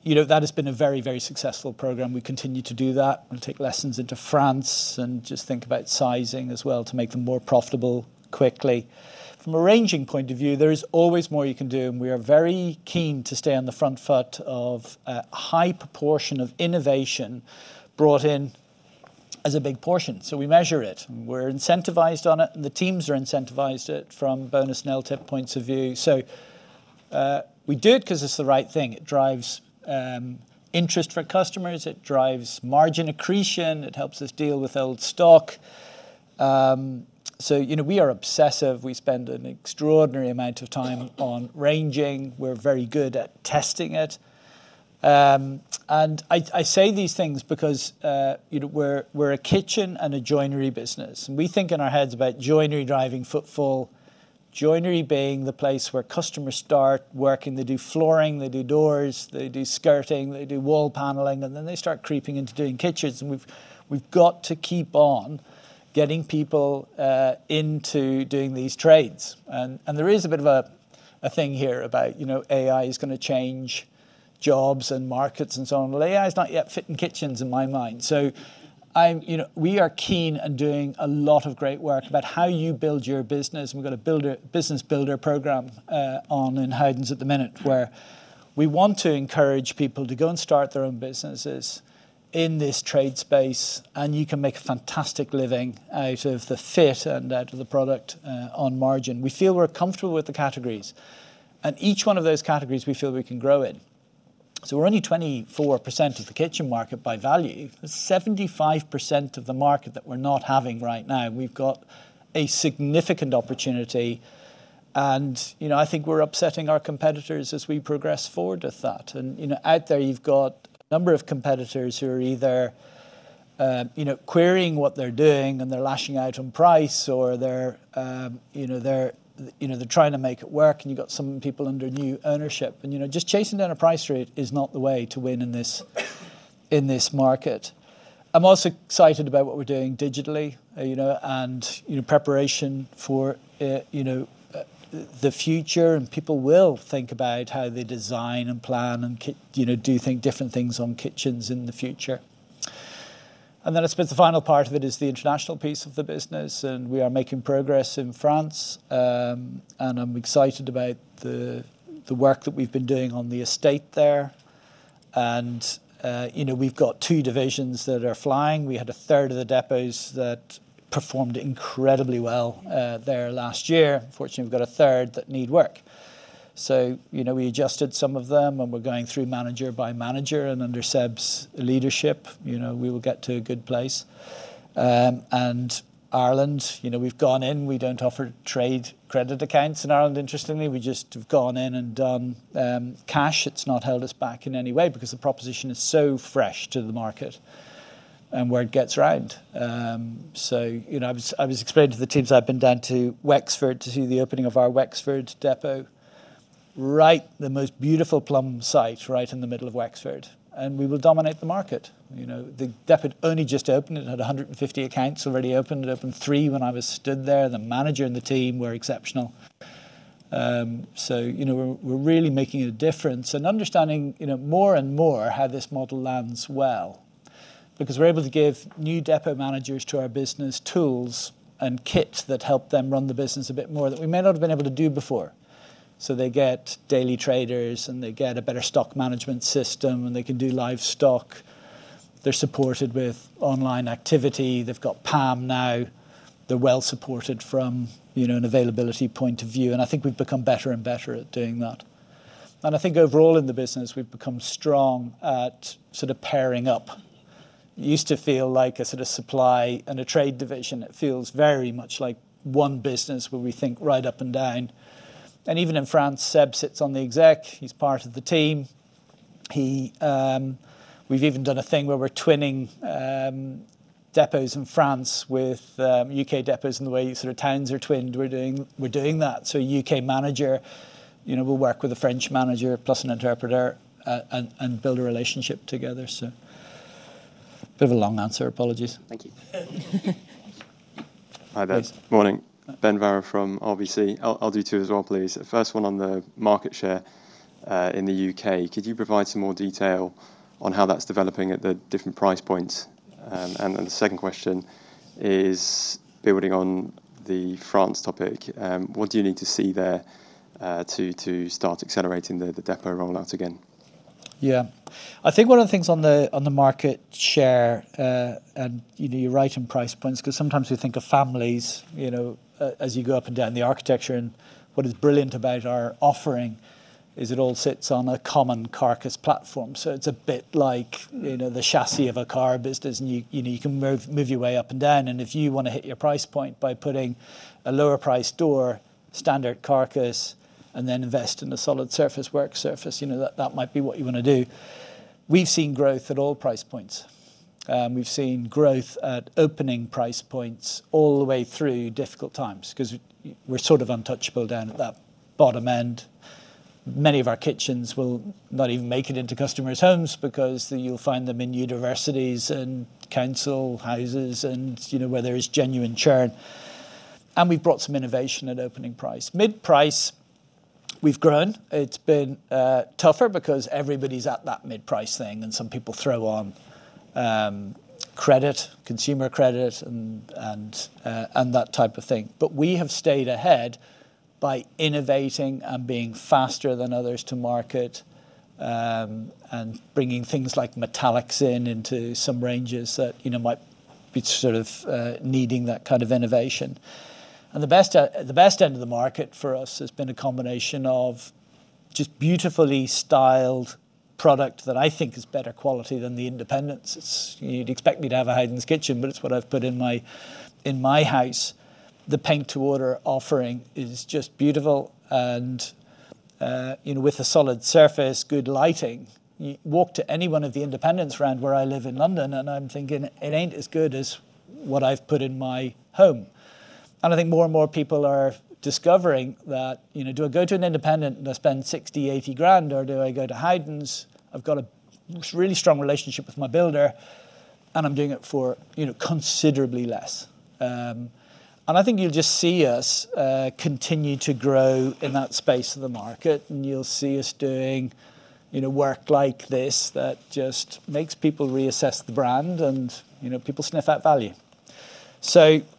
Speaker 1: You know, that has been a very, very successful program. We continue to do that, and take lessons into France, and just think about sizing as well to make them more profitable quickly. From a ranging point of view, there is always more you can do, and we are very keen to stay on the front foot of a high proportion of innovation brought in as a big portion. We measure it, and we're incentivized on it, and the teams are incentivized it from bonus and LTIP points of view. We do it 'cause it's the right thing. It drives interest for customers, it drives margin accretion, it helps us deal with old stock. You know, we are obsessive. We spend an extraordinary amount of time on ranging. We're very good at testing it. I say these things because, you know, we're a kitchen and a joinery business, and we think in our heads about joinery driving footfall, joinery being the place where customers start working. They do flooring, they do doors, they do skirting, they do wall paneling, and then they start creeping into doing kitchens, and we've got to keep on getting people into doing these trades. There is a bit of a thing here about, you know, AI is going to change jobs and markets and so on. AI is not yet fit in kitchens in my mind. You know, we are keen on doing a lot of great work about how you build your business, and we've got a business builder program on in Howdens at the minute, where we want to encourage people to go and start their own businesses in this trade space, and you can make a fantastic living out of the fit and out of the product on margin. We feel we're comfortable with the categories, and each one of those categories we feel we can grow in. We're only 24% of the kitchen market by value. 75% of the market that we're not having right now, we've got a significant opportunity, you know, I think we're upsetting our competitors as we progress forward with that. You know, out there, you've got a number of competitors who are either, you know, querying what they're doing, and they're lashing out on price, or they're, you know, trying to make it work, and you've got some people under new ownership. You know, just chasing down a price rate is not the way to win in this, in this market. I'm also excited about what we're doing digitally, you know, and, you know, preparation for, you know, the future. People will think about how they design and plan and you know, do think different things on kitchens in the future. Then, I suppose, the final part of it is the international piece of the business, and we are making progress in France. I'm excited about the work that we've been doing on the estate there. We've got two divisions that are flying. We had a third of the depots that performed incredibly well there last year. Unfortunately, we've got a third that need work. We adjusted some of them, and we're going through manager by manager, and under Seb's leadership, you know, we will get to a good place. Ireland, you know, we've gone in. We don't offer trade credit accounts in Ireland, interestingly. We just have gone in and done cash. It's not held us back in any way because the proposition is so fresh to the market and word gets around. You know, I was explaining to the teams, I've been down to Wexford to do the opening of our Wexford depot, right, the most beautiful plum site right in the middle of Wexford, and we will dominate the market. You know, the depot only just opened, it had 150 accounts already opened. It opened 3 when I was stood there. The manager and the team were exceptional. You know, we're really making a difference and understanding, you know, more and more how this model lands well. Because we're able to give new depot managers to our business tools and kit that help them run the business a bit more than we may not have been able to do before. They get daily traders, and they get a better stock management system, and they can do live stock. They're supported with online activity. They've got PALM now. They're well supported from, you know, an availability point of view, and I think we've become better and better at doing that. I think overall in the business, we've become strong at sort of pairing up. It used to feel like a sort of supply and a trade division. It feels very much like one business where we think right up and down. Even in France, Seb sits on the exec. He's part of the team. We've even done a thing where we're twinning depots in France with U.K. depots in the way sort of towns are twinned. We're doing that. A U.K. manager, you know, will work with a French manager, plus an interpreter, and build a relationship together. Bit of a long answer. Apologies.
Speaker 5: Thank you.
Speaker 6: Hi, there.
Speaker 1: Please.
Speaker 6: Morning. Ben Varrow from RBC. I'll do two as well, please. The first one on the market share in the U.K., could you provide some more detail on how that's developing at the different price points? The second question is building on the France topic. What do you need to see there to start accelerating the depot rollout again?
Speaker 1: Yeah. I think one of the things on the, on the market share and, you know, you're right in price points, 'cause sometimes we think of families, you know, as you go up and down the architecture, and what is brilliant about our offering is it all sits on a common carcass platform. It's a bit like, you know, the chassis of a car business, and you know, you can move your way up and down, and if you want to hit your price point by putting a lower price door, standard carcass, and then invest in a solid surface work surface, you know, that might be what you want to do. We've seen growth at all price points. We've seen growth at opening price points all the way through difficult times, 'cause we're sort of untouchable down at that bottom end. Many of our kitchens will not even make it into customers' homes because you'll find them in universities and council houses and, you know, where there is genuine churn. We've brought some innovation at opening price. Mid price, we've grown. It's been tougher because everybody's at that mid-price thing, some people throw on credit, consumer credit, and that type of thing. We have stayed ahead by innovating and being faster than others to market, and bringing things like metallics into some ranges that, you know, might be sort of needing that kind of innovation. The best end of the market for us has been a combination of just beautifully styled product that I think is better quality than the independents'. You'd expect me to have a Howdens kitchen, but it's what I've put in my house. The Paint to Order offering is just beautiful, and, you know, with a solid surface, good lighting. You walk to any one of the independents around where I live in London, and I'm thinking, "It ain't as good as what I've put in my home." I think more and more people are discovering that, you know, "Do I go to an independent and I spend 60,000, 80,000, or do I go to Howdens? I've got a really strong relationship with my builder, and I'm doing it for, you know, considerably less." I think you'll just see us continue to grow in that space of the market, and you'll see us doing, you know, work like this that just makes people reassess the brand, you know, people sniff out value.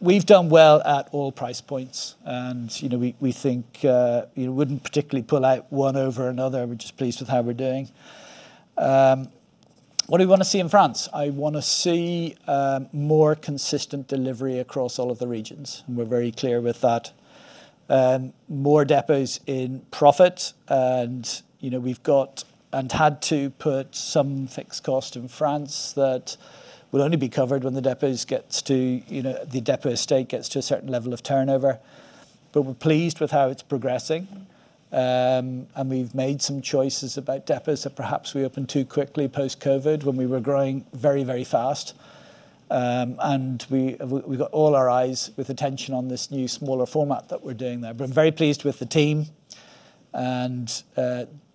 Speaker 1: We've done well at all price points, and, you know, we think you wouldn't particularly pull out one over another. We're just pleased with how we're doing. What do we want to see in France? I want to see more consistent delivery across all of the regions. We're very clear with that. More depots in profit, you know, we've got and had to put some fixed cost in France that will only be covered when the depots gets to, you know, the depot estate gets to a certain level of turnover. We're pleased with how it's progressing, and we've made some choices about depots that perhaps we opened too quickly post-COVID, when we were growing very, very fast. We've got all our eyes with attention on this new, smaller format that we're doing there. I'm very pleased with the team, and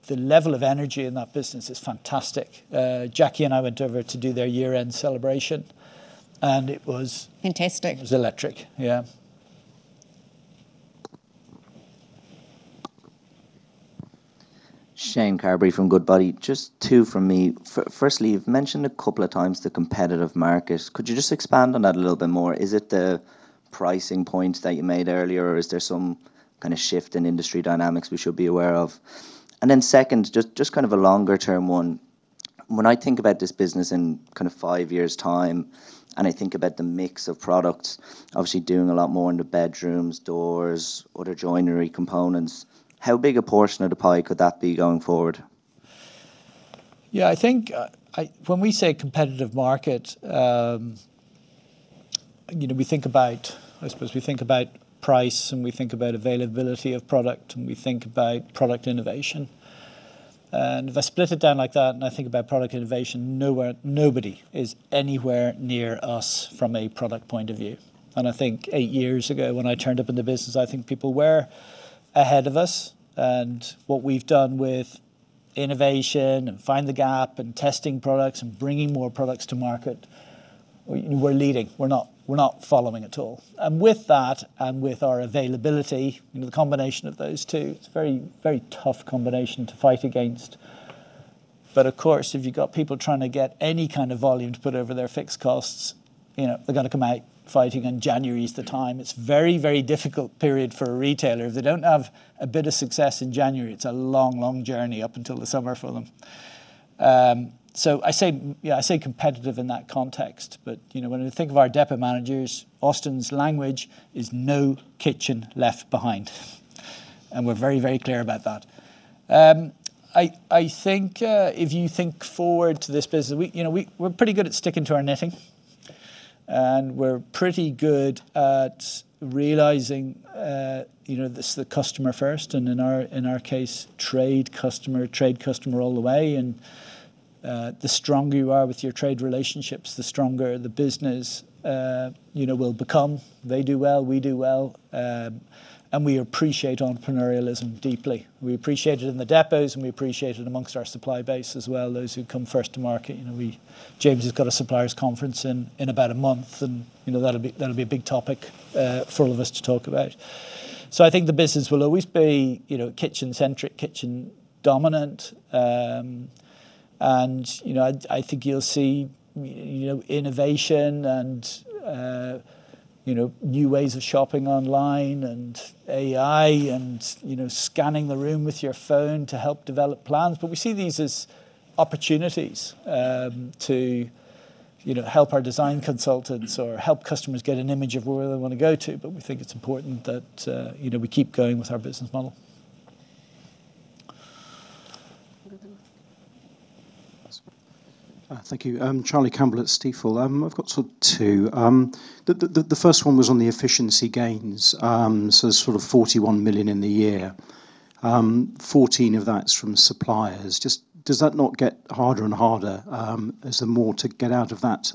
Speaker 1: the level of energy in that business is fantastic. Jackie and I went over to do their year-end celebration, it was.
Speaker 2: Fantastic.
Speaker 1: It was electric, yeah.
Speaker 7: Shane Carberry from Goodbody. Just two from me. firstly, you've mentioned a couple of times the competitive market. Could you just expand on that a little bit more? Is it the pricing points that you made earlier, or is there some kind of shift in industry dynamics we should be aware of? Second, just kind of a longer term one. When I think about this business in kind of five years' time, and I think about the mix of products, obviously doing a lot more in the bedrooms, doors, other joinery components, how big a portion of the pie could that be going forward?
Speaker 1: Yeah, I think, when we say competitive market, you know, I suppose we think about price, and we think about availability of product, and we think about product innovation. If I split it down like that, and I think about product innovation, nobody is anywhere near us from a product point of view. I think eight years ago, when I turned up in the business, I think people were ahead of us. What we've done with innovation, and find the gap, and testing products, and bringing more products to market, we're leading. We're not following at all. With that, and with our availability, you know, the combination of those two, it's a very, very tough combination to fight against. Of course, if you've got people trying to get any kind of volume to put over their fixed costs, you know, they're going to come out fighting. January is the time. It's very, very difficult period for a retailer. If they don't have a bit of success in January, it's a long, long journey up until the summer for them. I say, yeah, I say competitive in that context. You know, when I think of our depot managers, Austin's language is, "No kitchen left behind." We're very, very clear about that. I think, if you think forward to this business, you know, we're pretty good at sticking to our knitting. We're pretty good at realizing, you know, this is the customer first, and in our, in our case, trade customer, trade customer all the way. The stronger you are with your trade relationships, the stronger the business, you know, will become. They do well, we do well, and we appreciate entrepreneurialism deeply. We appreciate it in the depots, and we appreciate it amongst our supply base as well, those who come first to market. You know, James has got a suppliers' conference in about a month, and, you know, that'll be a big topic for all of us to talk about. I think the business will always be, you know, kitchen-centric, kitchen dominant. You know, I think you'll see, you know, innovation and, you know, new ways of shopping online, and AI, and, you know, scanning the room with your phone to help develop plans. We see these as opportunities, to, you know, help our design consultants or help customers get an image of where they want to go to, but we think it's important that, you know, we keep going with our business model.
Speaker 2: Good enough?
Speaker 7: That's good.
Speaker 8: Thank you. Charlie Campbell at Stifel. I've got sort of two. The first one was on the efficiency gains. Sort of 41 million in the year. 14 of that's from suppliers. Just, does that not get harder and harder as the more to get out of that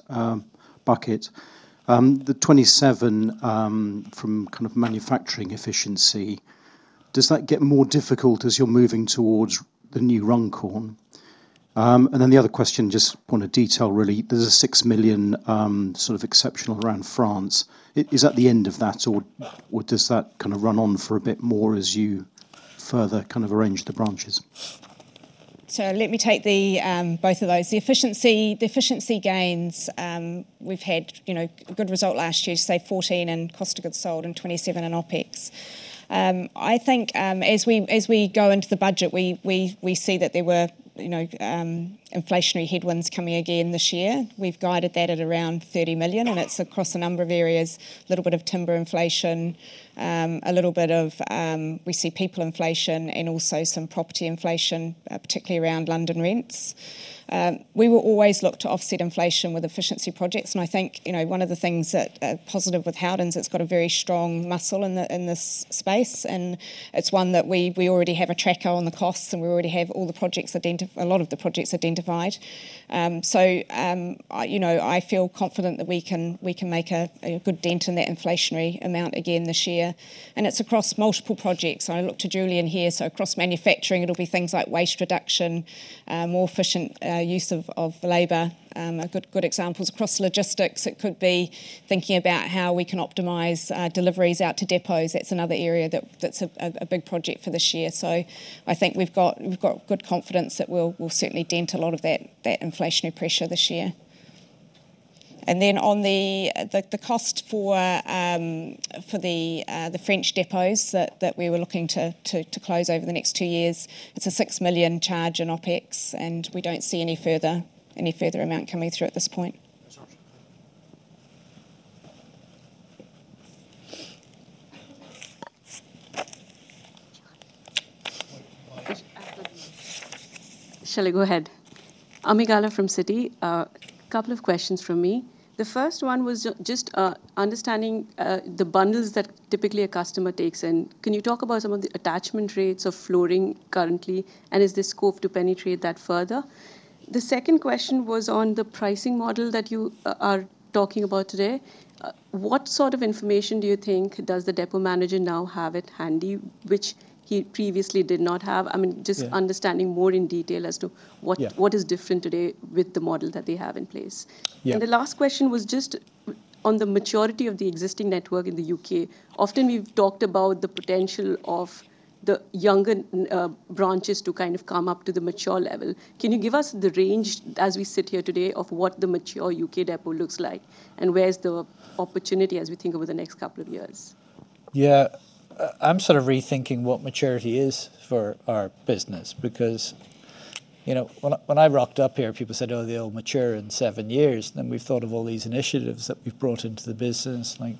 Speaker 8: bucket? The 27 from kind of manufacturing efficiency, does that get more difficult as you're moving towards the new Runcorn? The other question, just point of detail, really. There's a 6 million sort of exceptional around France. Is that the end of that, or does that kind of run on for a bit more as you further kind of arrange the branches?
Speaker 2: Let me take both of those. The efficiency gains, we've had, you know, a good result last year, say, 14 in cost of goods sold and 27 in OpEx. I think, as we go into the budget, we see that there were, you know, inflationary headwinds coming again this year. We've guided that at around 30 million, and it's across a number of areas. Little bit of timber inflation, a little bit of, we see people inflation and also some property inflation, particularly around London rents. We will always look to offset inflation with efficiency projects, and I think, you know, one of the things that positive with Howdens, it's got a very strong muscle in this space, and it's one that we already have a tracker on the costs, and we already have a lot of the projects identified. I, you know, I feel confident that we can make a good dent in that inflationary amount again this year, and it's across multiple projects. I look to Julian here. Across manufacturing, it'll be things like waste reduction, more efficient use of labor. A good examples across logistics, it could be thinking about how we can optimize deliveries out to depots. That's another area that's a big project for this year. I think we've got good confidence that we'll certainly dent a lot of that inflationary pressure this year. On the cost for the French depots that we were looking to close over the next two years, it's a 6 million charge in OpEx, and we don't see any further amount coming through at this point.
Speaker 8: Sure.
Speaker 9: Shall I go ahead? Ami Galla from Citi. Couple of questions from me. The first one was just understanding the bundles that typically a customer takes in. Can you talk about some of the attachment rates of flooring currently, and is there scope to penetrate that further? The second question was on the pricing model that you are talking about today. What sort of information do you think does the depot manager now have at handy, which he previously did not have? I mean.
Speaker 1: Yeah....
Speaker 9: just understanding more in detail as to.
Speaker 1: Yeah.
Speaker 9: What is different today with the model that they have in place?
Speaker 1: Yeah.
Speaker 9: The last question was just on the maturity of the existing network in the U.K. Often, we've talked about the potential of the younger branches to kind of come up to the mature level. Can you give us the range, as we sit here today, of what the mature U.K. depot looks like, and where's the opportunity as we think over the next couple of years?
Speaker 1: Yeah. I'm sort of rethinking what maturity is for our business because, you know, when I, when I rocked up here, people said, "Oh, they'll mature in seven years." We've thought of all these initiatives that we've brought into the business, like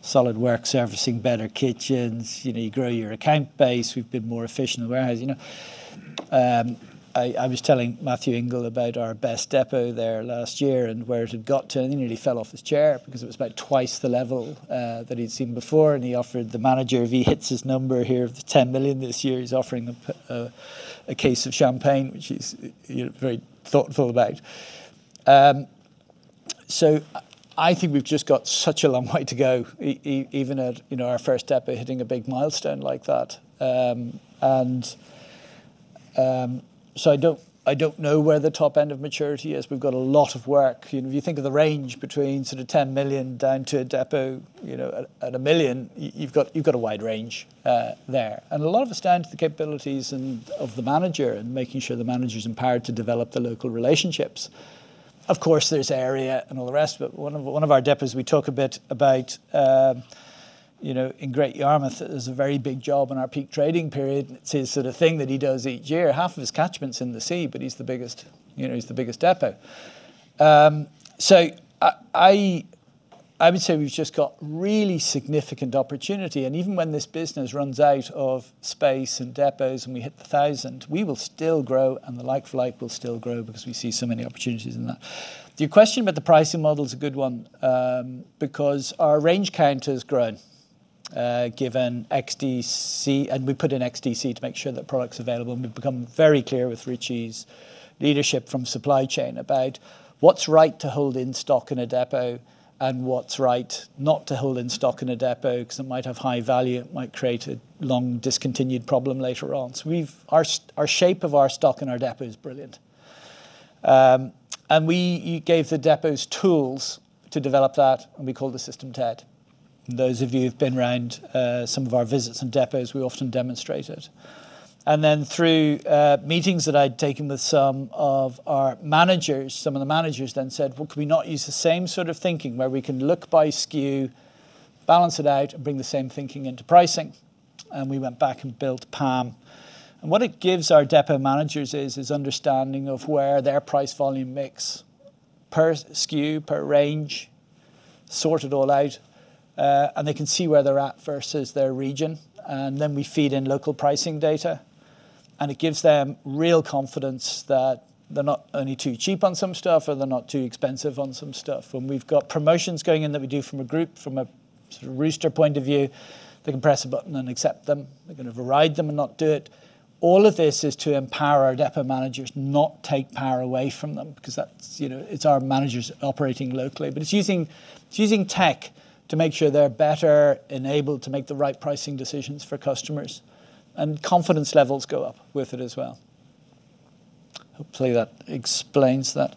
Speaker 1: solid work, servicing better kitchens. You know, you grow your account base. We've been more efficient in the warehouse, you know. I was telling Matthew Ingle about our best depot there last year and where it had got to, and he nearly fell off his chair because it was about twice the level that he'd seen before. He offered the manager, if he hits his number here of the 10 million this year, he's offering him a case of champagne, which he's, you know, very thoughtful about. I think we've just got such a long way to go even at, you know, our first depot hitting a big milestone like that. I don't know where the top end of maturity is. We've got a lot of work. You know, if you think of the range between sort of 10 million down to a depot, you know, at 1 million, you've got a wide range there. A lot of it's down to the capabilities of the manager and making sure the manager's empowered to develop the local relationships. Of course, there's area and all the rest, one of our depots, we talk a bit about, you know, in Great Yarmouth, it was a very big job in our peak trading period. It's his sort of thing that he does each year. Half of his catchment's in the sea, but he's the biggest, you know, he's the biggest depot. I would say we've just got really significant opportunity, even when this business runs out of space and depots, we hit 1,000, we will still grow, the like-for-like will still grow because we see so many opportunities in that. Your question about the pricing model is a good one, because our range counter's grown, given XDC, we put in XDC to make sure that product's available. We've become very clear with Richie's leadership from supply chain about what's right to hold in stock in a depot and what's right not to hold in stock in a depot because it might have high value, it might create a long discontinued problem later on. Our shape of our stock in our depot is brilliant. We gave the depots tools to develop that, and we call the system TED. Those of you who've been around some of our visits and depots, we often demonstrate it. Through meetings that I'd taken with some of our managers, some of the managers said: "Could we not use the same sort of thinking, where we can look by SKU, balance it out, and bring the same thinking into pricing?" We went back and built PALM. What it gives our depot managers is understanding of where their price-volume mix, per SKU, per range-... sort it all out, and they can see where they're at versus their region. We feed in local pricing data, and it gives them real confidence that they're not only too cheap on some stuff or they're not too expensive on some stuff. When we've got promotions going in that we do from a group, from a sort of Rooster point of view, they can press a button and accept them. They're going to override them and not do it. All of this is to empower our depot managers, not take power away from them, 'cause that's, you know, it's our managers operating locally. It's using tech to make sure they're better enabled to make the right pricing decisions for customers, and confidence levels go up with it as well. Hopefully, that explains that.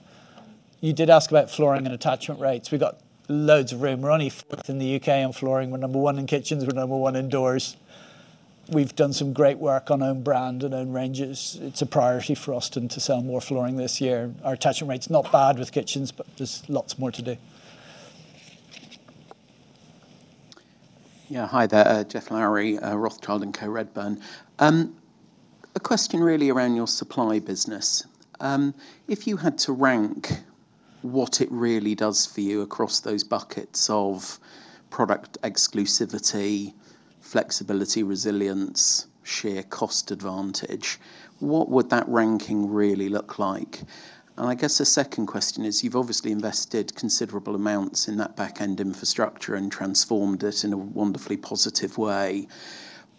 Speaker 1: You did ask about flooring and attachment rates. We got loads of room. We're only fourth in the UK on flooring. We're number one in kitchens, we're number one in doors. We've done some great work on own brand and own ranges. It's a priority for us and to sell more flooring this year. Our attachment rate's not bad with kitchens, but there's lots more to do.
Speaker 10: Yeah, hi there, Geoff Lowery, Rothschild & Co Redburn. A question really around your supply business. If you had to rank what it really does for you across those buckets of product exclusivity, flexibility, resilience, sheer cost advantage, what would that ranking really look like? I guess the second question is, you've obviously invested considerable amounts in that back-end infrastructure and transformed it in a wonderfully positive way,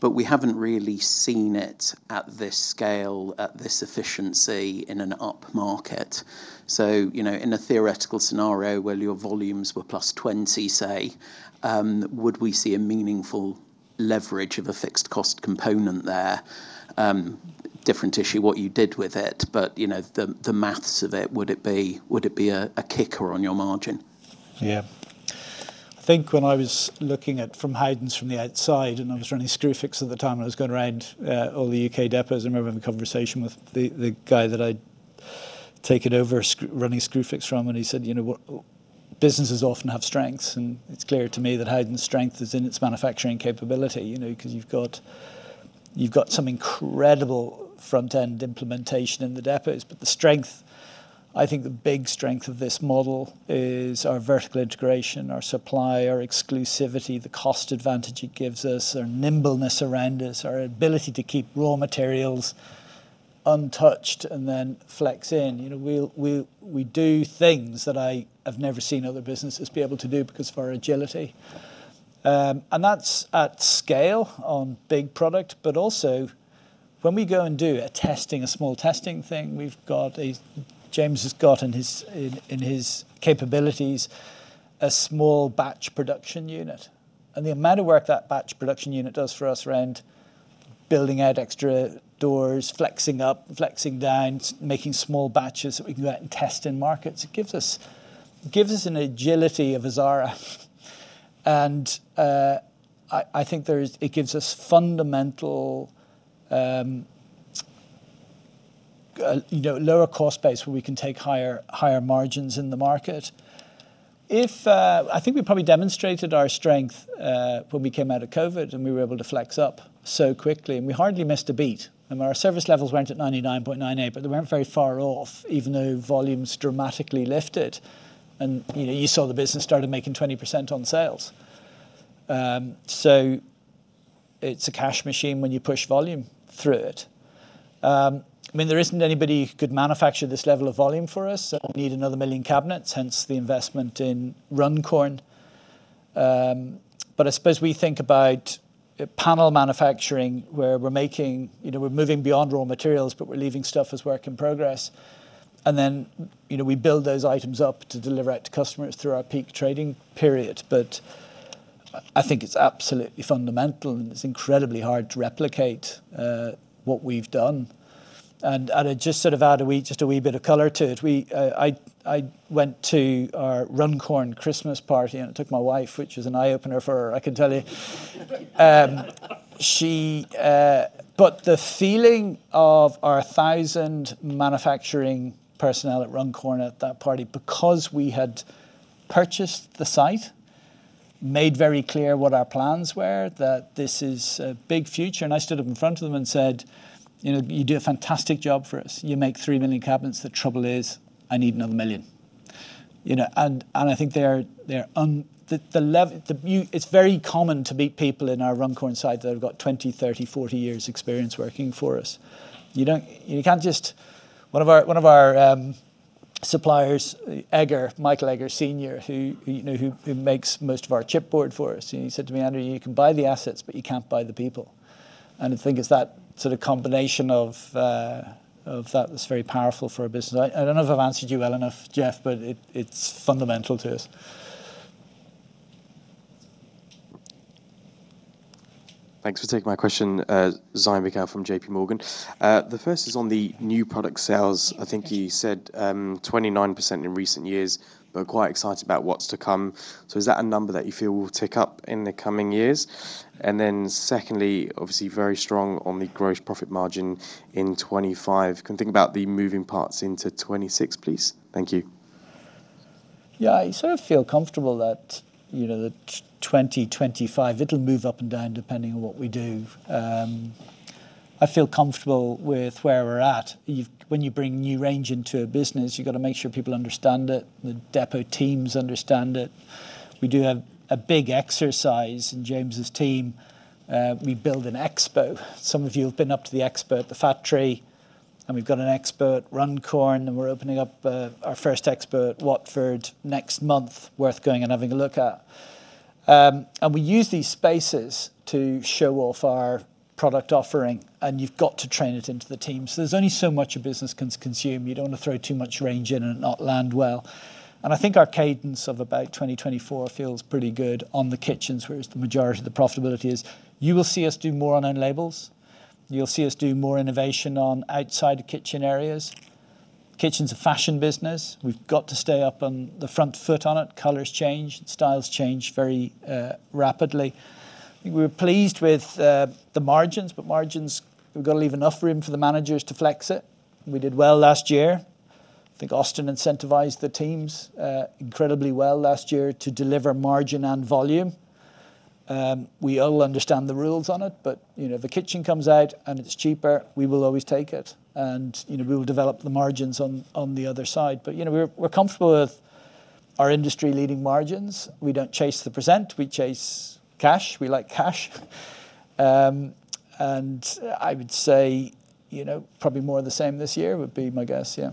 Speaker 10: but we haven't really seen it at this scale, at this efficiency in an upmarket. You know, in a theoretical scenario where your volumes were +20%, say, would we see a meaningful leverage of a fixed cost component there? Different issue, what you did with it, but, you know, the maths of it, would it be a kicker on your margin?
Speaker 1: Yeah. I think when I was looking at from Howdens' from the outside, and I was running Screwfix at the time, and I was going around all the U.K. depots, I remember having a conversation with the guy that I'd taken over running Screwfix from, and he said, "You know what? Businesses often have strengths, and it's clear to me that Howdens' strength is in its manufacturing capability." You know, 'cause you've got some incredible front-end implementation in the depots. The strength, I think the big strength of this model is our vertical integration, our supply, our exclusivity, the cost advantage it gives us, our nimbleness around us, our ability to keep raw materials untouched and then flex in. You know, we do things that I have never seen other businesses be able to do because of our agility. That's at scale on big product, but also, when we go and do a testing, a small testing thing, we've got James has got in his capabilities, a small batch production unit. The amount of work that batch production unit does for us around building out extra doors, flexing up, flexing down, making small batches that we go out and test in markets, it gives us an agility of a Zara. I think it gives us fundamental, you know, lower cost base, where we can take higher margins in the market. I think we probably demonstrated our strength when we came out of COVID, and we were able to flex up so quickly, and we hardly missed a beat. Our service levels weren't at 99.98, but they weren't very far off, even though volumes dramatically lifted. You know, you saw the business started making 20% on sales. So it's a cash machine when you push volume through it. I mean, there isn't anybody who could manufacture this level of volume for us, so we need another 1 million cabinets, hence the investment in Runcorn. But I suppose we think about panel manufacturing, where we're making. You know, we're moving beyond raw materials, but we're leaving stuff as work in progress. You know, we build those items up to deliver out to customers through our peak trading period. I think it's absolutely fundamental, and it's incredibly hard to replicate what we've done. I just sort of add a wee, just a wee bit of color to it. We, I went to our Runcorn Christmas party, and I took my wife, which was an eye-opener for her, I can tell you. The feeling of our 1,000 manufacturing personnel at Runcorn at that party, because we had purchased the site, made very clear what our plans were, that this is a big future. I stood up in front of them and said, "You know, you do a fantastic job for us. You make 3,000,000 cabinets. The trouble is, I need another 1,000,000." You know, I think they're un- it's very common to meet people in our Runcorn site that have got 20, 30, 40 years' experience working for us. You can't just... One of our suppliers, EGGER, Michael EGGER Senior, who, you know, makes most of our chipboard for us. He said to me, "Andrew, you can buy the assets, but you can't buy the people." I think it's that sort of combination of that that's very powerful for a business. I don't know if I've answered you well enough, Geoff, but it's fundamental to us.
Speaker 11: Thanks for taking my question. [Zaim Mika] from JPMorgan. The first is on the new product sales. I think you said 29% in recent years, quite excited about what's to come. Is that a number that you feel will tick up in the coming years? Secondly, obviously, very strong on the gross profit margin in 2025. Can you think about the moving parts into 2026, please? Thank you.
Speaker 1: Yeah, I sort of feel comfortable that, you know, that 2025, it'll move up and down, depending on what we do. I feel comfortable with where we're at. When you bring new range into a business, you've got to make sure people understand it, the depot teams understand it. We do have a big exercise in James' team, we build an expo. Some of you have been up to the expo at Howden, and we've got an expo at Runcorn, and we're opening up our first expo at Watford next month, worth going and having a look at. And we use these spaces to show off our product offering, and you've got to train it into the team. There's only so much a business can consume. You don't want to throw too much range in and it not land well. I think our cadence of about 2024 feels pretty good on the kitchens, where is the majority of the profitability is. You will see us do more on own labels, you'll see us do more innovation on outside the kitchen areas. Kitchen's a fashion business. We've got to stay up on the front foot on it. Colors change, styles change very rapidly. We're pleased with the margins, but margins, we've got to leave enough room for the managers to flex it. We did well last year. I think Austin incentivized the teams incredibly well last year to deliver margin and volume. We all understand the rules on it, but, you know, if the kitchen comes out and it's cheaper, we will always take it, and, you know, we will develop the margins on the other side. You know, we're comfortable with our industry-leading margins. We don't chase the %, we chase cash. We like cash. I would say, you know, probably more of the same this year would be my guess. Yeah.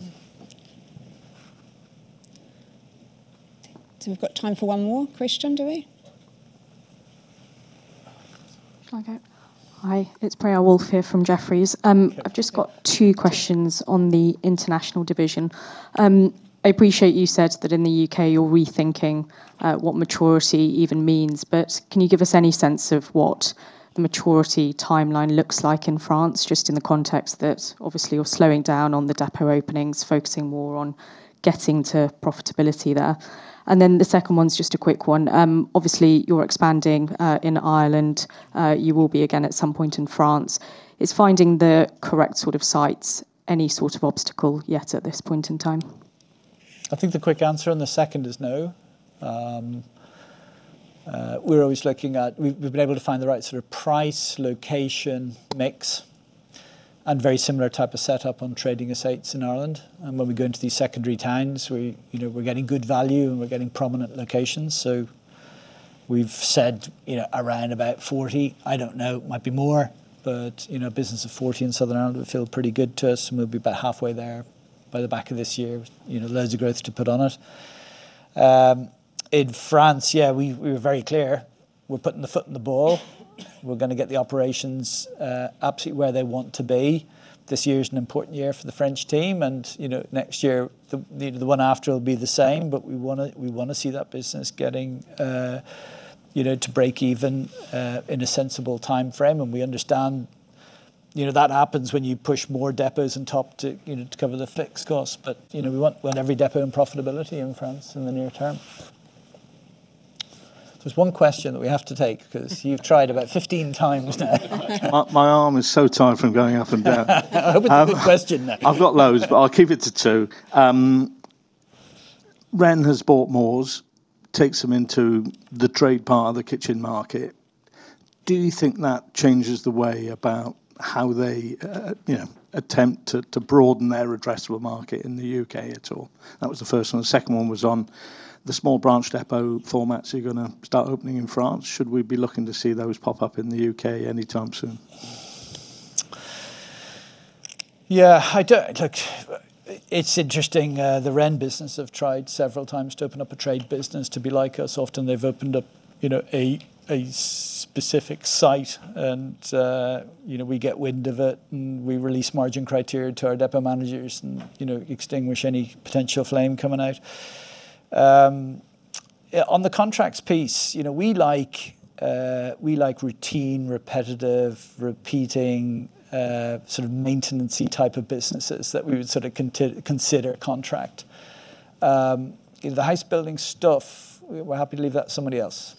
Speaker 2: We've got time for one more question, do we?
Speaker 12: Okay. Hi, it's Priyal Woolf here from Jefferies. I've just got two questions on the international division. I appreciate you said that in the U.K., you're rethinking what maturity even means, but can you give us any sense of what the maturity timeline looks like in France? Just in the context that obviously you're slowing down on the depot openings, focusing more on getting to profitability there. The second one is just a quick one. Obviously, you're expanding in Ireland, you will be again at some point in France. Is finding the correct sort of sites any sort of obstacle yet at this point in time?
Speaker 1: I think the quick answer on the second is no. We've been able to find the right sort of price, location, mix, and very similar type of setup on trading estates in Ireland. When we go into these secondary towns, we, you know, we're getting good value and we're getting prominent locations. We've said, you know, around about 40. I don't know, it might be more, but, you know, business of 40 in Southern Ireland would feel pretty good to us, and we'll be about halfway there by the back of this year. You know, loads of growth to put on it. In France, yeah, we were very clear. We're putting the foot on the ball. We're going to get the operations absolutely where they want to be. This year is an important year for the French team, you know, next year, the one after it will be the same, but we wanna, we want to see that business getting, you know, to break even in a sensible time frame. We understand, you know, that happens when you push more depots and top to, you know, to cover the fixed costs. You know, we want every depot in profitability in France in the near term. There's one question that we have to take because you've tried about 15x now.
Speaker 13: My, my arm is so tired from going up and down.
Speaker 1: I hope it's a good question then.
Speaker 13: I've got loads, I'll keep it to two. Wren has bought Moores, takes them into the trade part of the kitchen market. Do you think that changes the way about how they, you know, attempt to broaden their addressable market in the U.K. at all? That was the first one. The second one was on the small branch depot formats you're going to start opening in France. Should we be looking to see those pop up in the U.K. anytime soon?
Speaker 1: Yeah, I don't. Look, it's interesting, the Wren business have tried several times to open up a trade business to be like us. Often they've opened up, you know, a specific site and, you know, we get wind of it, and we release margin criteria to our depot managers and, you know, extinguish any potential flame coming out. Yeah, on the contracts piece, you know, we like routine, repetitive, repeating, sort of maintenance type of businesses that we would sort of consider contract. The house building stuff, we're happy to leave that to somebody else.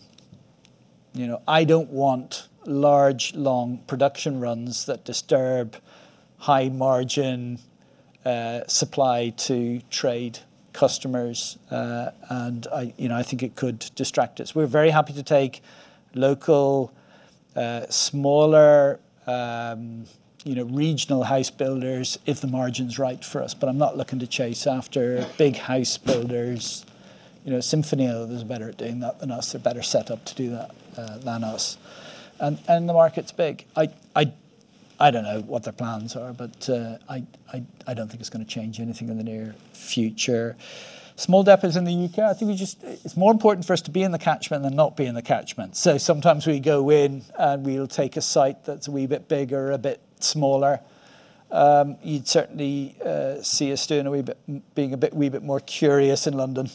Speaker 1: You know, I don't want large, long production runs that disturb high-margin supply to trade customers. I, you know, I think it could distract us. We're very happy to take local, smaller, you know, regional house builders if the margin's right for us, but I'm not looking to chase after big house builders. You know, Symphony is better at doing that than us. They're better set up to do that than us. The market's big. I don't know what their plans are, but I don't think it's going to change anything in the near future. Small depots in the U.K., I think we just It's more important for us to be in the catchment than not be in the catchment. Sometimes we go in, and we'll take a site that's a wee bit bigger or a bit smaller. You'd certainly see us doing a wee bit being a bit, wee bit more curious in London.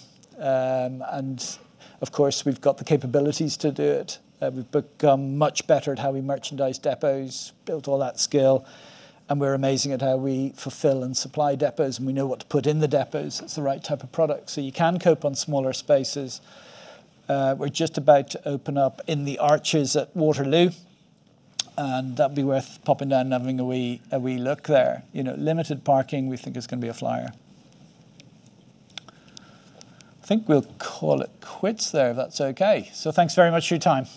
Speaker 1: Of course, we've got the capabilities to do it. We've become much better at how we merchandise depots, built all that skill, we're amazing at how we fulfill and supply depots, and we know what to put in the depots. It's the right type of product, you can cope on smaller spaces. We're just about to open up in the arches at Waterloo, that'd be worth popping down and having a wee look there. You know, limited parking, we think is going to be a flyer. I think we'll call it quits there, if that's okay. Thanks very much for your time.